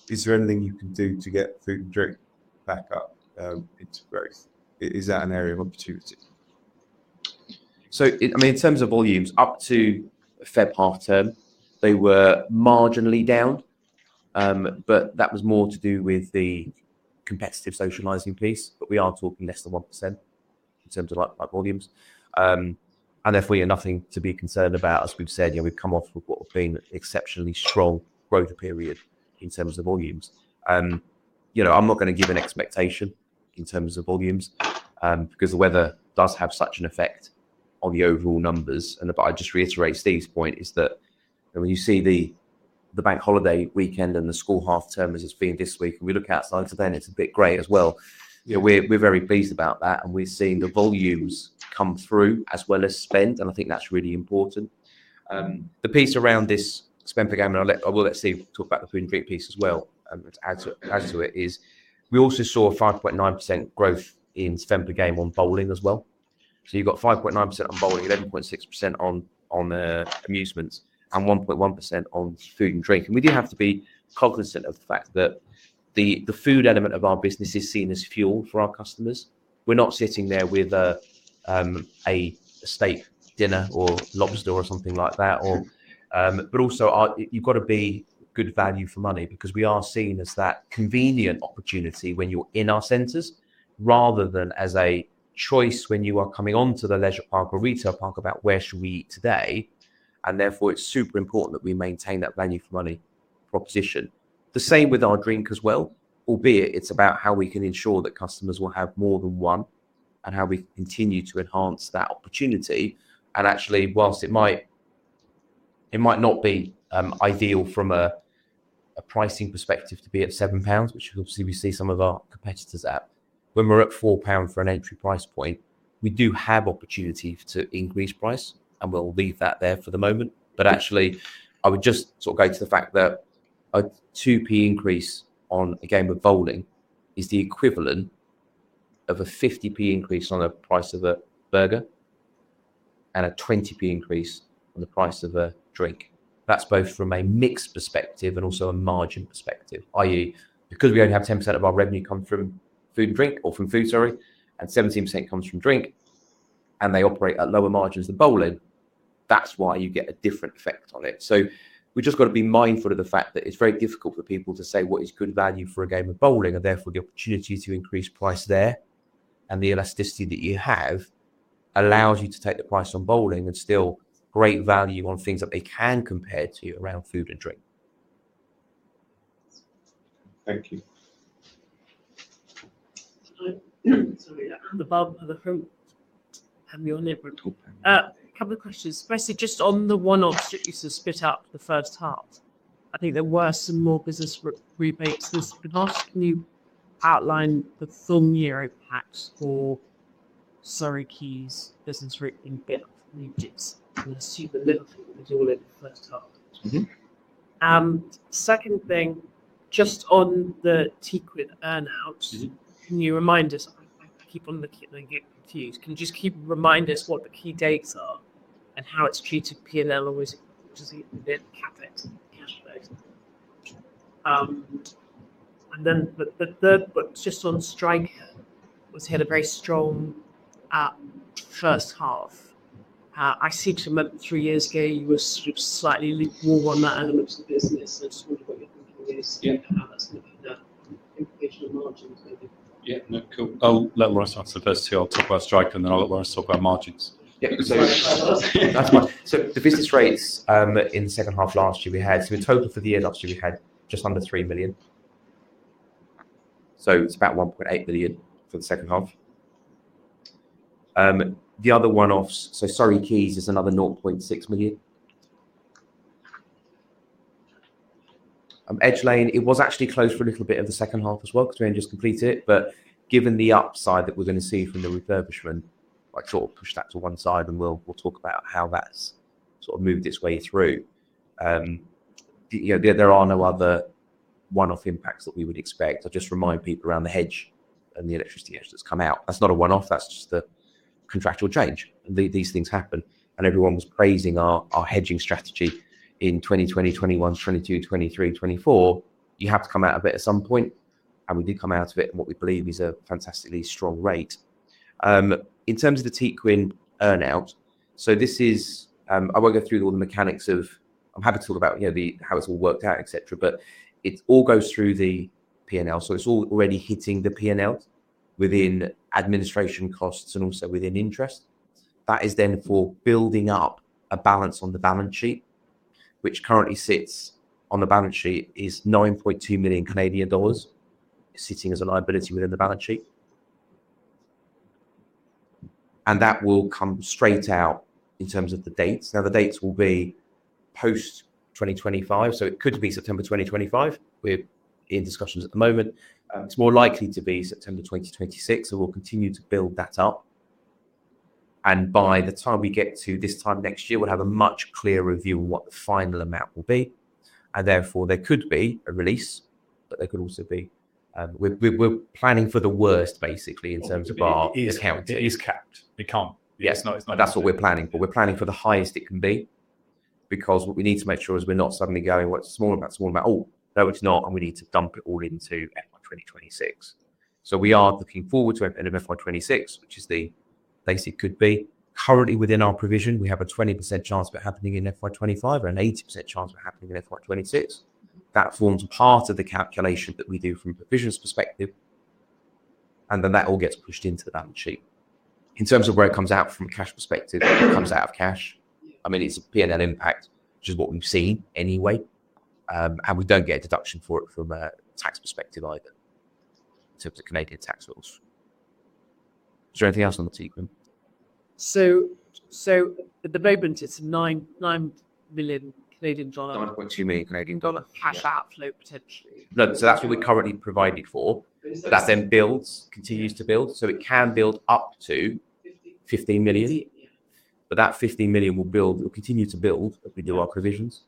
Is there anything you can do to get food and drink back up into growth? Is that an area of opportunity? I mean, in terms of volumes up to February half term, they were marginally down, but that was more to do with the competitive socializing piece. We are talking less than 1% in terms of like-to-like volumes. Therefore, you know, nothing to be concerned about, as we have said, you know, we have come off of what have been exceptionally strong growth period in terms of volumes. You know, I am not going to give an expectation in terms of volumes because the weather does have such an effect on the overall numbers. I just reiterate Steve's point is that when you see the bank holiday weekend and the school half term as it's been this week, and we look at it, it's a bit grey as well. You know, we're very pleased about that. We're seeing the volumes come through as well as spend. I think that's really important. The piece around this spend per game, and I'll let Steve talk about the food and drink piece as well, add to it is we also saw a 5.9% growth in spend per game on bowling as well. You have 5.9% on bowling, 11.6% on amusements, and 1.1% on food and drink. We do have to be cognizant of the fact that the food element of our business is seen as fuel for our customers. We're not sitting there with a steak dinner or lobster or something like that. Also, you've got to be good value for money because we are seen as that convenient opportunity when you're in our centres rather than as a choice when you are coming onto the leisure park or retail park about where should we eat today. Therefore, it's super important that we maintain that value for money proposition. The same with our drink as well, albeit it's about how we can ensure that customers will have more than one and how we continue to enhance that opportunity. Actually, whilst it might, it might not be ideal from a pricing perspective to be at 7 pounds, which obviously we see some of our competitors at, when we're at 4 pounds for an entry price point, we do have opportunity to increase price. We'll leave that there for the moment. Actually, I would just sort of go to the fact that a 0.02 increase on a game of bowling is the equivalent of a 0.50 increase on the price of a burger and a 0.20 increase on the price of a drink. That's both from a mixed perspective and also a margin perspective, i.e., because we only have 10% of our revenue come from food and 17% comes from drink, and they operate at lower margins than bowling, that's why you get a different effect on it. We just have to be mindful of the fact that it's very difficult for people to say what is good value for a game of bowling, and therefore the opportunity to increase price there and the elasticity that you have allows you to take the price on bowling and still create value on things that they can compare to around food and drink. Thank you. Sorry, the person at the front. Have your neighbor talking. A couple of questions. Firstly, just on the one obstruction you spit out the first half, I think there were some more business rebates this past. Can you outline the full year impacts for Surrey Quays business rebate? I'm going to assume the little people that do all it in the first half. Second thing, just on the Teaquinn and earnout, can you remind us, I keep on looking and I get confused, can you just keep reminding us what the key dates are and how it's treated, P&L always includes the CapEx, cash flows. Then the third book just on Striker was hit a very strong first half. I see to a moment three years ago, you were sort of slightly more on that element of business. I just wonder what your thinking is and how that's going to be done. Implication of margins, maybe. Yeah, no, cool. I'll let Laurence answer first. I'll talk about Striker and then I'll let Laurence talk about margins. Yeah, so that's fine. So the business rates in the second half last year, we had, so we totaled for the year last year, we had just under 3 million. It is about 1.8 million for the second half. The other one-offs, Surrey Quays is another 0.6 million. Edge Lane, it was actually closed for a little bit of the second half as well because we had not just completed it. Given the upside that we are going to see from the refurbishment, I thought we will push that to one side and we will talk about how that has sort of moved its way through. You know, there are no other one-off impacts that we would expect. I just remind people around the hedge and the electricity hedge that has come out. That is not a one-off. That is just a contractual change. These things happen. Everyone was praising our hedging strategy in 2020, 2021, 2022, 2023, 2024. You have to come out of it at some point. We did come out of it in what we believe is a fantastically strong rate. In terms of the Teaquinn earnout, so this is, I won't go through all the mechanics of, I'm happy to talk about, you know, how it's all worked out, et cetera, but it all goes through the P&L. It is all already hitting the P&L within administration costs and also within interest. That is then for building up a balance on the balance sheet, which currently sits on the balance sheet as 9.2 million Canadian dollars sitting as a liability within the balance sheet. That will come straight out in terms of the dates. Now, the dates will be post 2025, so it could be September 2025. We're in discussions at the moment. It is more likely to be September 2026, so we'll continue to build that up. By the time we get to this time next year, we'll have a much clearer view of what the final amount will be. Therefore, there could be a release, but there could also be, we're planning for the worst, basically, in terms of our account. It is capped. It cannot. It is not, it is not. That is what we're planning for. We're planning for the highest it can be. Because what we need to make sure is we're not suddenly going, what is a small amount, small amount, oh, no, it is not, and we need to dump it all into FY 2026. We are looking forward to an FY 2026, which is the basic could be. Currently, within our provision, we have a 20% chance of it happening in FY 2025, an 80% chance of it happening in FY 2026. That forms part of the calculation that we do from a provisions perspective. That all gets pushed into the balance sheet. In terms of where it comes out from a cash perspective, it comes out of cash. I mean, it's a P&L impact, which is what we've seen anyway. We don't get a deduction for it from a tax perspective either, in terms of Canadian tax rules. Is there anything else on the Tequinn? So CAD 9 million? At the moment, it's 9 million Canadian dollar. 9.2 million Canadian dollar cash outflow potentially. No, that's what we're currently providing for. That then builds, continues to build. It can build up to 15 million. That 15 million will build, will continue to build as we do our provisions.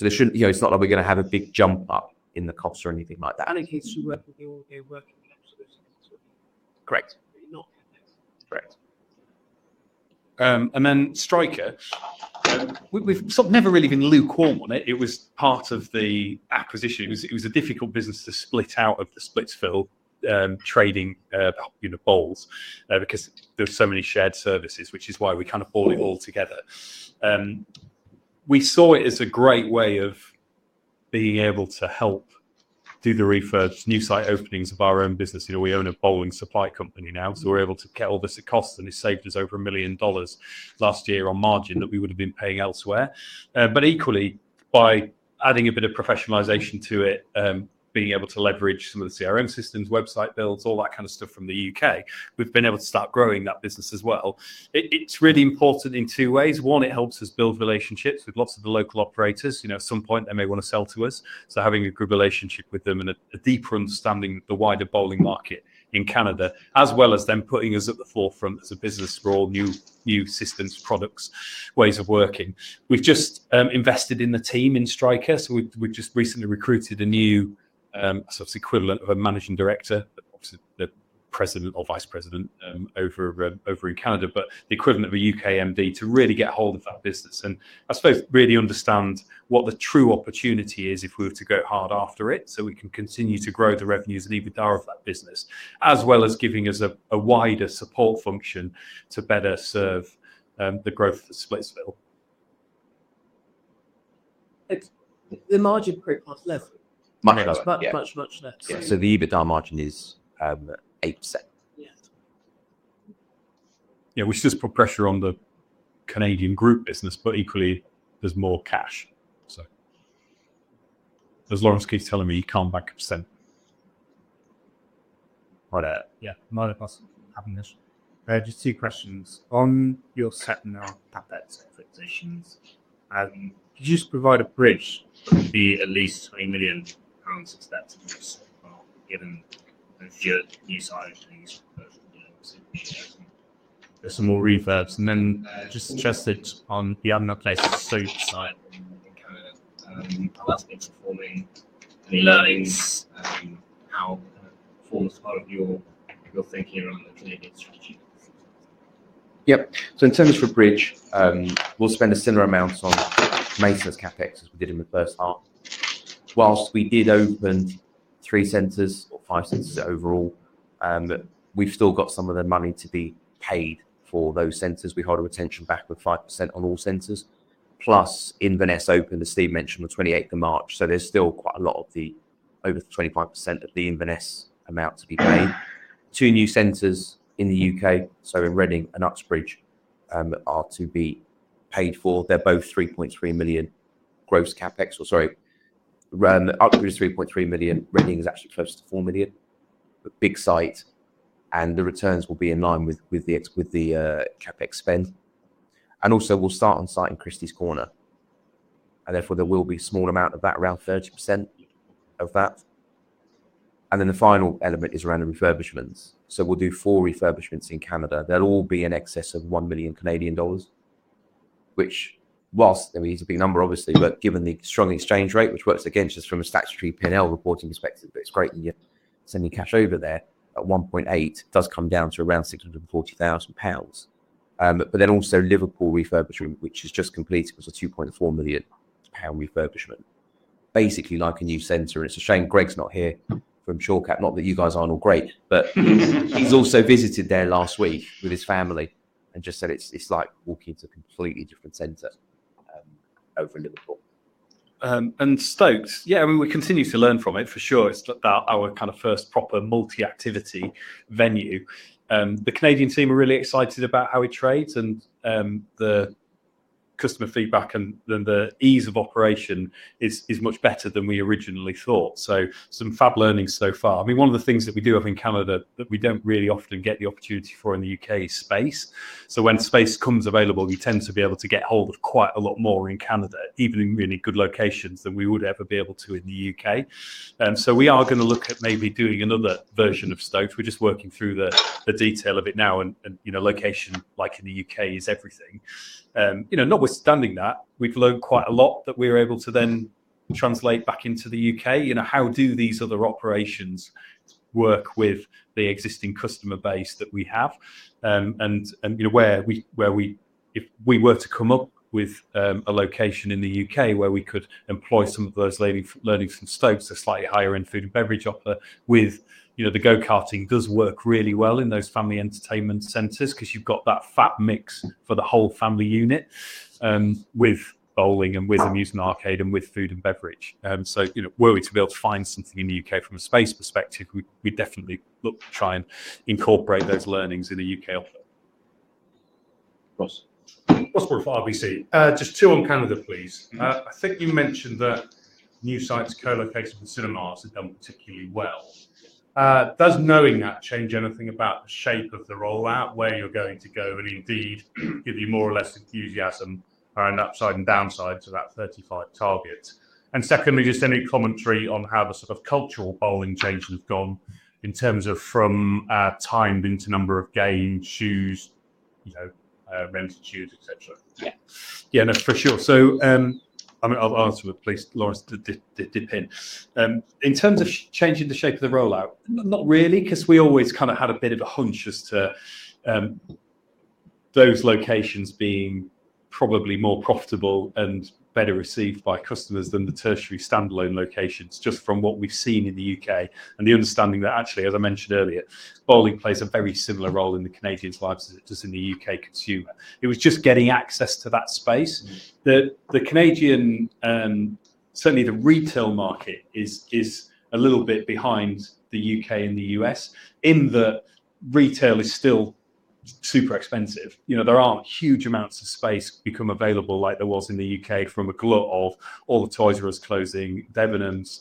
There should not, you know, it is not like we are going to have a big jump up in the costs or anything like that. In case you work with your working caps, it is correct. Correct. Striker, we have sort of never really been lukewarm on it. It was part of the acquisition. It was a difficult business to split out of the Splitsville trading bowls, because there were so many shared services, which is why we kind of bought it all together. We saw it as a great way of being able to help do the refurbished new site openings of our own business. You know, we own a bowling supply company now, so we are able to get all this at cost, and it saved us over 1 million dollars last year on margin that we would have been paying elsewhere. Equally, by adding a bit of professionalization to it, being able to leverage some of the CRM systems, website builds, all that kind of stuff from the U.K., we've been able to start growing that business as well. It's really important in two ways. One, it helps us build relationships with lots of the local operators. You know, at some point, they may want to sell to us. Having a good relationship with them and a deeper understanding of the wider bowling market in Canada, as well as them putting us at the forefront as a business for all new systems, products, ways of working, is important. We've just invested in the team in Striker, so we've just recently recruited a new, so it's the equivalent of a managing director, obviously the president or vice president over in Canada, but the equivalent of a U.K. MD to really get hold of that business. I suppose really understand what the true opportunity is if we were to go hard after it, so we can continue to grow the revenues and EBITDA of that business, as well as giving us a wider support function to better serve the growth of the Splitsville. It's the margin creep on level. Much less. Much, much, much less. Yeah, so the EBITDA margin is 8%. Yeah. Yeah, which does put pressure on the Canadian group business, but equally, there's more cash. As Laurence keeps telling me, you can't bank a percent. Right there. Might have us having this. Just two questions. On your satin now, pathetic expectations, could you just provide a bridge? It'd be at least 20 million pounds expected given your new size and news report. There's some more refurbs. And then just stress it on the other places, soup site in Canada. How that's been performing and the learnings, how kind of forms part of your thinking around the Canadian strategy. Yep. In terms of a bridge, we'll spend a similar amount on Mason's CapEx as we did in the first half. Whilst we did open three centres or five centres overall, we've still got some of the money to be paid for those centres. We hold a retention back with 5% on all centres. Plus, Inverness opened, as Steve mentioned, on the 28th of March. There's still quite a lot of the over 25% of the Inverness amount to be paid. Two new centres in the U.K., so in Reading and Uxbridge, are to be paid for. They're both 3.3 million gross CapEx. Or sorry, Uxbridge is 3.3 million. Reading is actually close to 4 million. Big site. The returns will be in line with the CapEx spend. Also, we'll start on site in Christy's Corner. Therefore, there will be a small amount of that, around 30% of that. The final element is around the refurbishments. We'll do four refurbishments in Canada. They'll all be in excess of 1 million Canadian dollars, which, whilst it's a big number, obviously, but given the strong exchange rate, which works against us from a statutory P&L reporting perspective, it's great that you're sending cash over there at 1.8, does come down to around 640,000 pounds. Then also Liverpool refurbishment, which is just completed, was a 2.4 million pound refurbishment. Basically like a new centre. It is a shame Greg is not here from Shore Capital. Not that you guys are not all great, but he also visited there last week with his family and just said it is like walking into a completely different centre over in Liverpool. And Stokes, yeah, I mean, we continue to learn from it for sure. It is about our kind of first proper multi-activity venue. The Canadian team are really excited about how it trades and the customer feedback and the ease of operation is much better than we originally thought. Some fab learnings so far. I mean, one of the things that we do have in Canada that we do not really often get the opportunity for in the U.K. space. When space comes available, we tend to be able to get hold of quite a lot more in Canada, even in really good locations than we would ever be able to in the U.K. We are going to look at maybe doing another version of Stokes. We're just working through the detail of it now. You know, location, like in the U.K., is everything. Notwithstanding that, we've learned quite a lot that we're able to then translate back into the U.K. You know, how do these other operations work with the existing customer base that we have? You know, if we were to come up with a location in the U.K. where we could employ some of those learnings from Stokes, a slightly higher-end food and beverage offer with, you know, the Go Karting does work really well in those family entertainment centres because you have that fat mix for the whole family unit with bowling and with amusement arcade and with food and beverage. You know, were we to be able to find something in the U.K. from a space perspective, we would definitely look to try and incorporate those learnings in a U.K. offer. Ross Ford with RBC? Just two on Canada, please. I think you mentioned that new sites co-located with cinemas have done particularly well. Does knowing that change anything about the shape of the rollout, where you're going to go and indeed give you more or less enthusiasm around upside and downside to that 35 target? Secondly, just any commentary on how the sort of cultural bowling changes have gone in terms of from timed into number of games, shoes, you know, rented shoes, et cetera? Yeah, yeah, no for sure. I'll answer with please, Laurence, to dip in. In terms of changing the shape of the rollout, not really, because we always kind of had a bit of a hunch as to those locations being probably more profitable and better received by customers than the tertiary standalone locations, just from what we've seen in the U.K. and the understanding that actually, as I mentioned earlier, bowling plays a very similar role in the Canadians' lives as it does in the U.K. consumer. It was just getting access to that space. The Canadian, certainly the retail market is a little bit behind the U.K. and the U.S. in that retail is still super expensive. You know, there aren't huge amounts of space become available like there was in the U.K. from a glut of all the Toys R Us closing, Debenhams,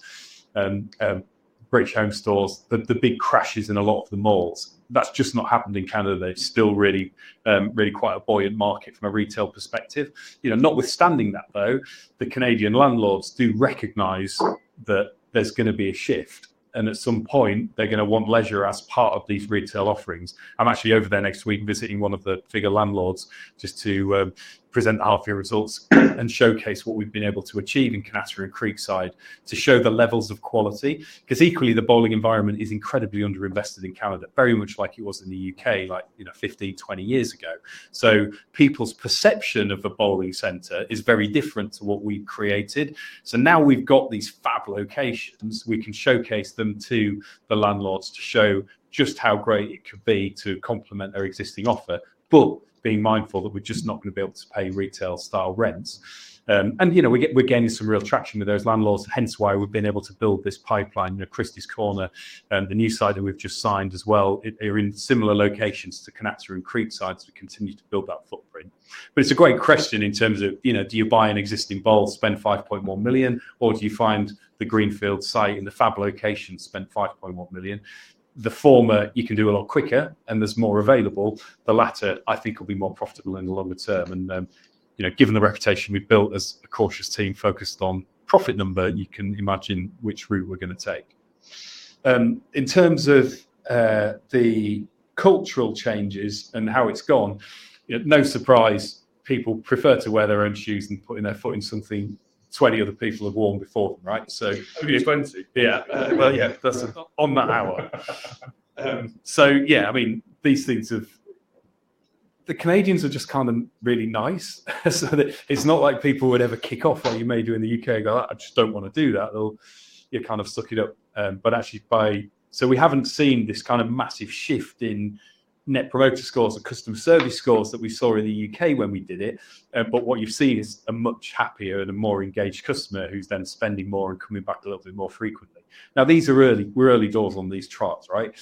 British Home Stores, the big crashes in a lot of the malls. That's just not happened in Canada. They're still really, really quite a buoyant market from a retail perspective. You know, notwithstanding that, though, the Canadian landlords do recognize that there's going to be a shift and at some point they're going to want leisure as part of these retail offerings. I'm actually over there next week visiting one of the figure landlords just to present our results and showcase what we've been able to achieve in Kanata and Creekside to show the levels of quality. Because equally, the bowling environment is incredibly underinvested in Canada, very much like it was in the U.K., like, you know, 15, 20 years ago. So people's perception of a bowling centre is very different to what we've created. Now we've got these fab locations, we can showcase them to the landlords to show just how great it could be to complement our existing offer, but being mindful that we're just not going to be able to pay retail-style rents. You know, we're getting some real traction with those landlords, hence why we've been able to build this pipeline, you know, Christy's Corner, the new site that we've just signed as well, you're in similar locations to Kanata and Creekside to continue to build that footprint. It's a great question in terms of, you know, do you buy an existing bowl, spend 5.1 million, or do you find the Greenfield site in the fab location, spend 5.1 million? The former, you can do a lot quicker and there's more available. The latter, I think, will be more profitable in the longer term. You know, given the reputation we've built as a cautious team focused on profit number, you can imagine which route we're going to take. In terms of the cultural changes and how it's gone, you know, no surprise, people prefer to wear their own shoes than putting their foot in something 20 other people have worn before them, right? Twenty, yeah. Yeah, that's on that hour. I mean, these things have, the Canadians are just kind of really nice. It's not like people would ever kick off what you may do in the U.K. and go, I just don't want to do that. You're kind of sucking up. Actually, we haven't seen this kind of massive shift in Net Promoter Scores and customer service scores that we saw in the U.K. when we did it. What you have seen is a much happier and a more engaged customer who is then spending more and coming back a little bit more frequently. Now, these are early, we are early doors on these charts, right?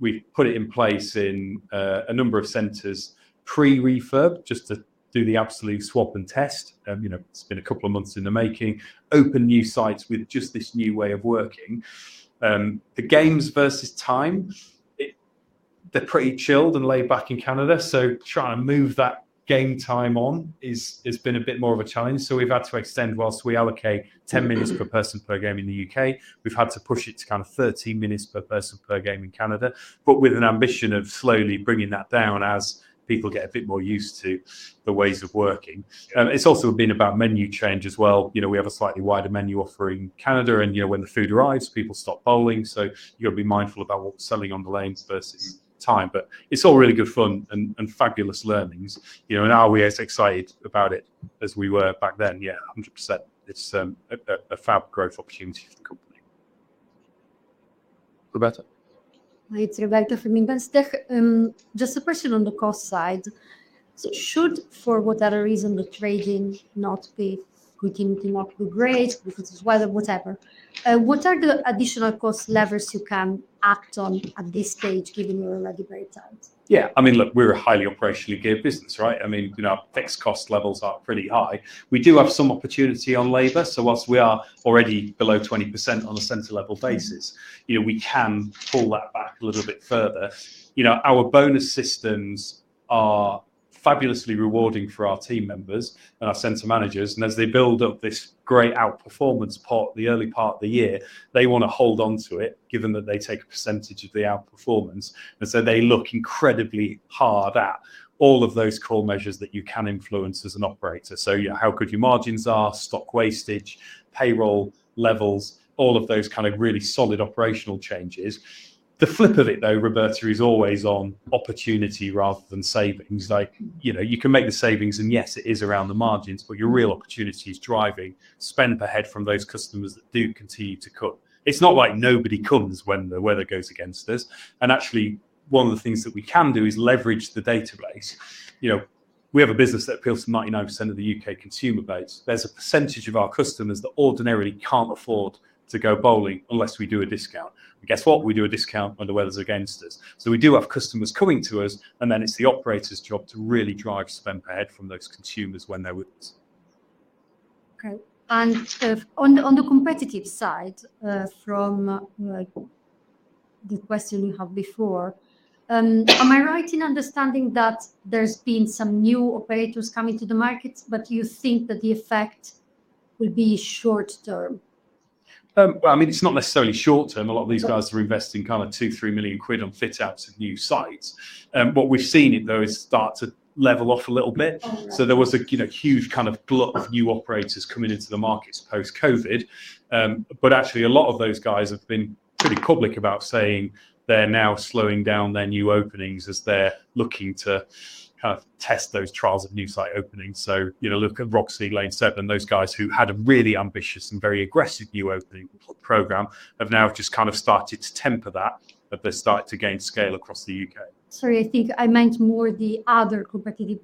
We have put it in place in a number of centres pre-refurb just to do the absolute swap and test. You know, it has been a couple of months in the making, open new sites with just this new way of working. The games versus time, they are pretty chilled and laid back in Canada. Trying to move that game time on has been a bit more of a challenge. We have had to extend whilst we allocate 10 minutes per person per game in the U.K. We've had to push it to kind of 13 minutes per person per game in Canada, but with an ambition of slowly bringing that down as people get a bit more used to the ways of working. It's also been about menu change as well. You know, we have a slightly wider menu offer in Canada. And, you know, when the food arrives, people stop bowling. You have to be mindful about what we're selling on the lanes versus time. It's all really good fun and fabulous learnings. You know, and are we as excited about it as we were back then? Yeah, 100%. It's a fab growth opportunity for the company. Roberta. It's Roberta from Investec. Just a question on the cost side. Should, for whatever reason, the trading not be continuing to not be great because of weather, whatever, what are the additional cost levers you can act on at this stage, given you're already very tired? Yeah, I mean, look, we're a highly operationally geared business, right? I mean, you know, fixed cost levels are pretty high. We do have some opportunity on labor. So whilst we are already below 20% on a centre-level basis, you know, we can pull that back a little bit further. You know, our bonus systems are fabulously rewarding for our team members and our centre managers. And as they build up this great outperformance part, the early part of the year, they want to hold on to it, given that they take a percentage of the outperformance. They look incredibly hard at all of those core measures that you can influence as an operator. You know, how good your margins are, stock wastage, payroll levels, all of those kind of really solid operational changes. The flip of it, though, Roberta, is always on opportunity rather than savings. You know, you can make the savings and yes, it is around the margins, but your real opportunity is driving spend per head from those customers that do continue to cook. It's not like nobody comes when the weather goes against us. Actually, one of the things that we can do is leverage the database. You know, we have a business that appeals to 99% of the U.K. consumer base. There's a percentage of our customers that ordinarily can't afford to go bowling unless we do a discount. And guess what? We do a discount when the weather's against us. We do have customers coming to us, and then it's the operator's job to really drive spend per head from those consumers when they're with us. Okay. On the competitive side, from the question you had before, am I right in understanding that there's been some new operators coming to the market, but you think that the effect will be short-term? I mean, it's not necessarily short-term. A lot of these guys are investing kind of 2 million-3 million quid on fit-outs of new sites. What we've seen, though, is start to level off a little bit. There was a, you know, huge kind of glut of new operators coming into the markets post-COVID. Actually, a lot of those guys have been pretty public about saying they're now slowing down their new openings as they're looking to kind of test those trials of new site openings. You know, look at Roxy, Lane 7, those guys who had a really ambitious and very aggressive new opening program have now just kind of started to temper that, that they've started to gain scale across the U.K. Sorry, I think I meant more the other competitive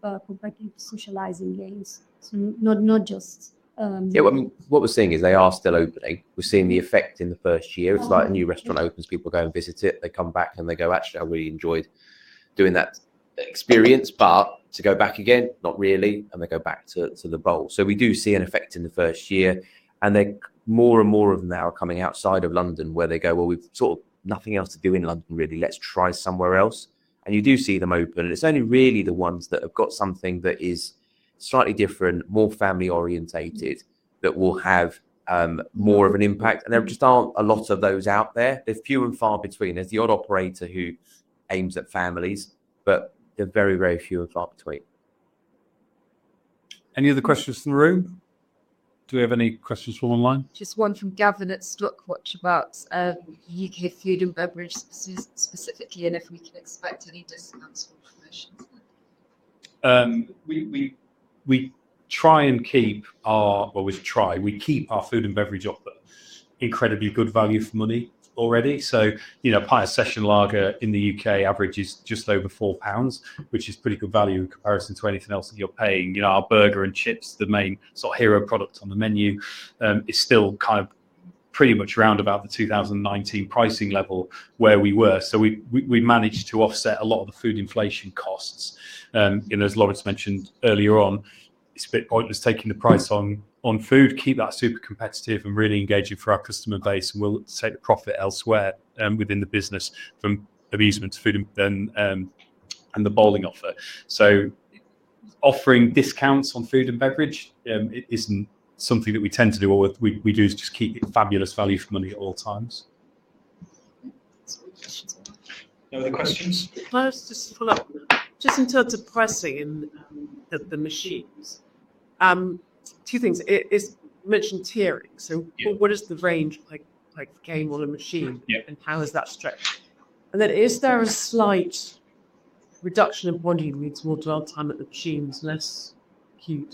socializing games. Not just... Yeah, I mean, what we're seeing is they are still opening. We've seen the effect in the first year. It's like a new restaurant opens, people go and visit it. They come back and they go, actually, I really enjoyed doing that experience, but to go back again, not really. They go back to the bowl. We do see an effect in the first year. There are more and more of them now coming outside of London where they go, we have sort of nothing else to do in London, really. Let's try somewhere else. You do see them open. It is only really the ones that have got something that is slightly different, more family-orientated, that will have more of an impact. There just are not a lot of those out there. They are few and far between. There is the odd operator who aims at families, but they are very, very few and far between. Any other questions from the room? Do we have any questions from online? Just one from Gavin Beck at Stoke. What about U.K. food and beverage specifically and if we can expect any discounts or promotions. We try and keep our, well, we try, we keep our food and beverage offer incredibly good value for money already. You know, a pint of session lager in the U.K. averages just over 4 pounds, which is pretty good value in comparison to anything else that you're paying. You know, our burger and chips, the main sort of hero product on the menu, is still kind of pretty much around about the 2019 pricing level where we were. We managed to offset a lot of the food inflation costs. As Laurence mentioned earlier on, it's a bit pointless taking the price on food, keep that super competitive and really engaging for our customer base, and we'll take the profit elsewhere within the business from amusement to food and then the bowling offer. Offering discounts on food and beverage isn't something that we tend to do. What we do is just keep it fabulous value for money at all times. No other questions? Just to pull up, just in terms of pricing and the machines, two things. You mentioned tiering. What is the range like for a game or a machine and how is that stretched? Is there a slight reduction in bonding means more dwell time at the machines, less queue?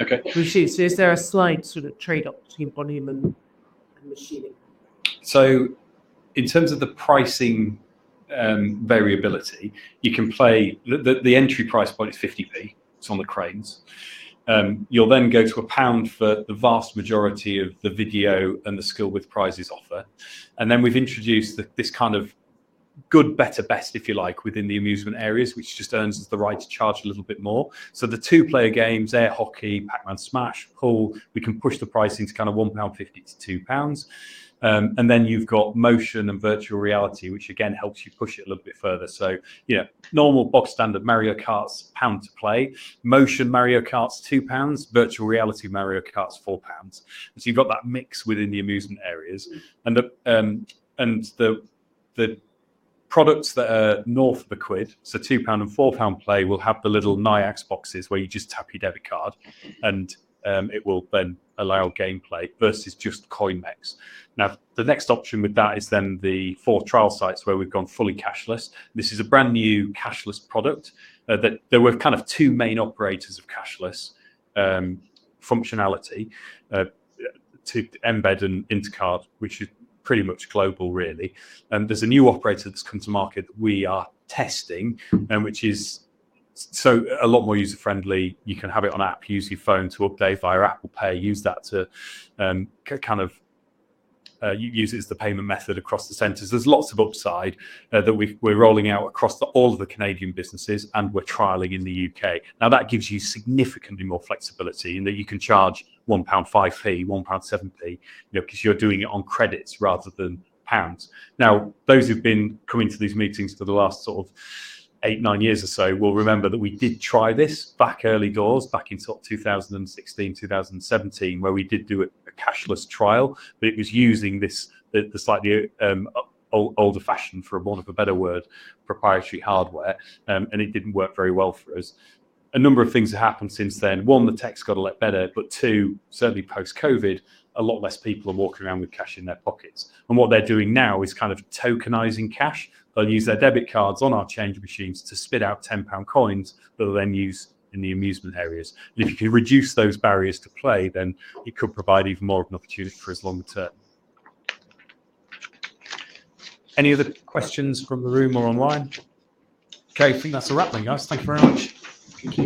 Okay. Is there a slight sort of trade-off between bonding and machining? In terms of the pricing variability, you can play, the entry price point is 0.50. It is on the cranes. You will then go to GBP 1 for the vast majority of the video and the skill with prizes offer. We have introduced this kind of good, better, best, if you like, within the amusement areas, which just earns us the right to charge a little bit more. The two-player games, air hockey, Pac-Man smash, pool, we can push the price into kind of 1.50-2 pound. And then you have motion and virtual reality, which again helps you push it a little bit further. You know, normal box standard Mario Kart is GBP 1 to play, motion Mario Kart is 2 pounds, virtual reality Mario Kart is 4 pounds. You have that mix within the amusement areas. The products that are north of a Teaquinn, so 2 quid and 4 pound play, will have the little Nayax boxes where you just tap your debit card and it will then allow gameplay versus just coin mech. The next option with that is the four trial sites where we have gone fully cashless. This is a brand new cashless product. There were kind of two main operators of cashless functionality, Embedcard and Intercard, which is pretty much global, really. There's a new operator that's come to market that we are testing, which is a lot more user-friendly. You can have it on app, use your phone to update via Apple Pay, use that to kind of use it as the payment method across the centers. There's lots of upside that we're rolling out across all of the Canadian businesses and we're trialing in the U.K. Now, that gives you significantly more flexibility in that you can charge 1.50 pound, 1.70, because you're doing it on credits rather than pounds. Now, those who've been coming to these meetings for the last sort of eight, nine years or so will remember that we did try this back early doors, back in sort of 2016, 2017, where we did do a cashless trial, but it was using the slightly older fashion, for want of a better word, proprietary hardware, and it did not work very well for us. A number of things have happened since then. One, the tech's got a lot better, but two, certainly post-COVID, a lot less people are walking around with cash in their pockets. What they're doing now is kind of tokenizing cash. They'll use their debit cards on our change machines to spit out 10 pound coins that they'll then use in the amusement areas. If you can reduce those barriers to play, then it could provide even more of an opportunity for us longer term. Any other questions from the room or online? Okay, I think that's a wrap, guys. Thank you very much.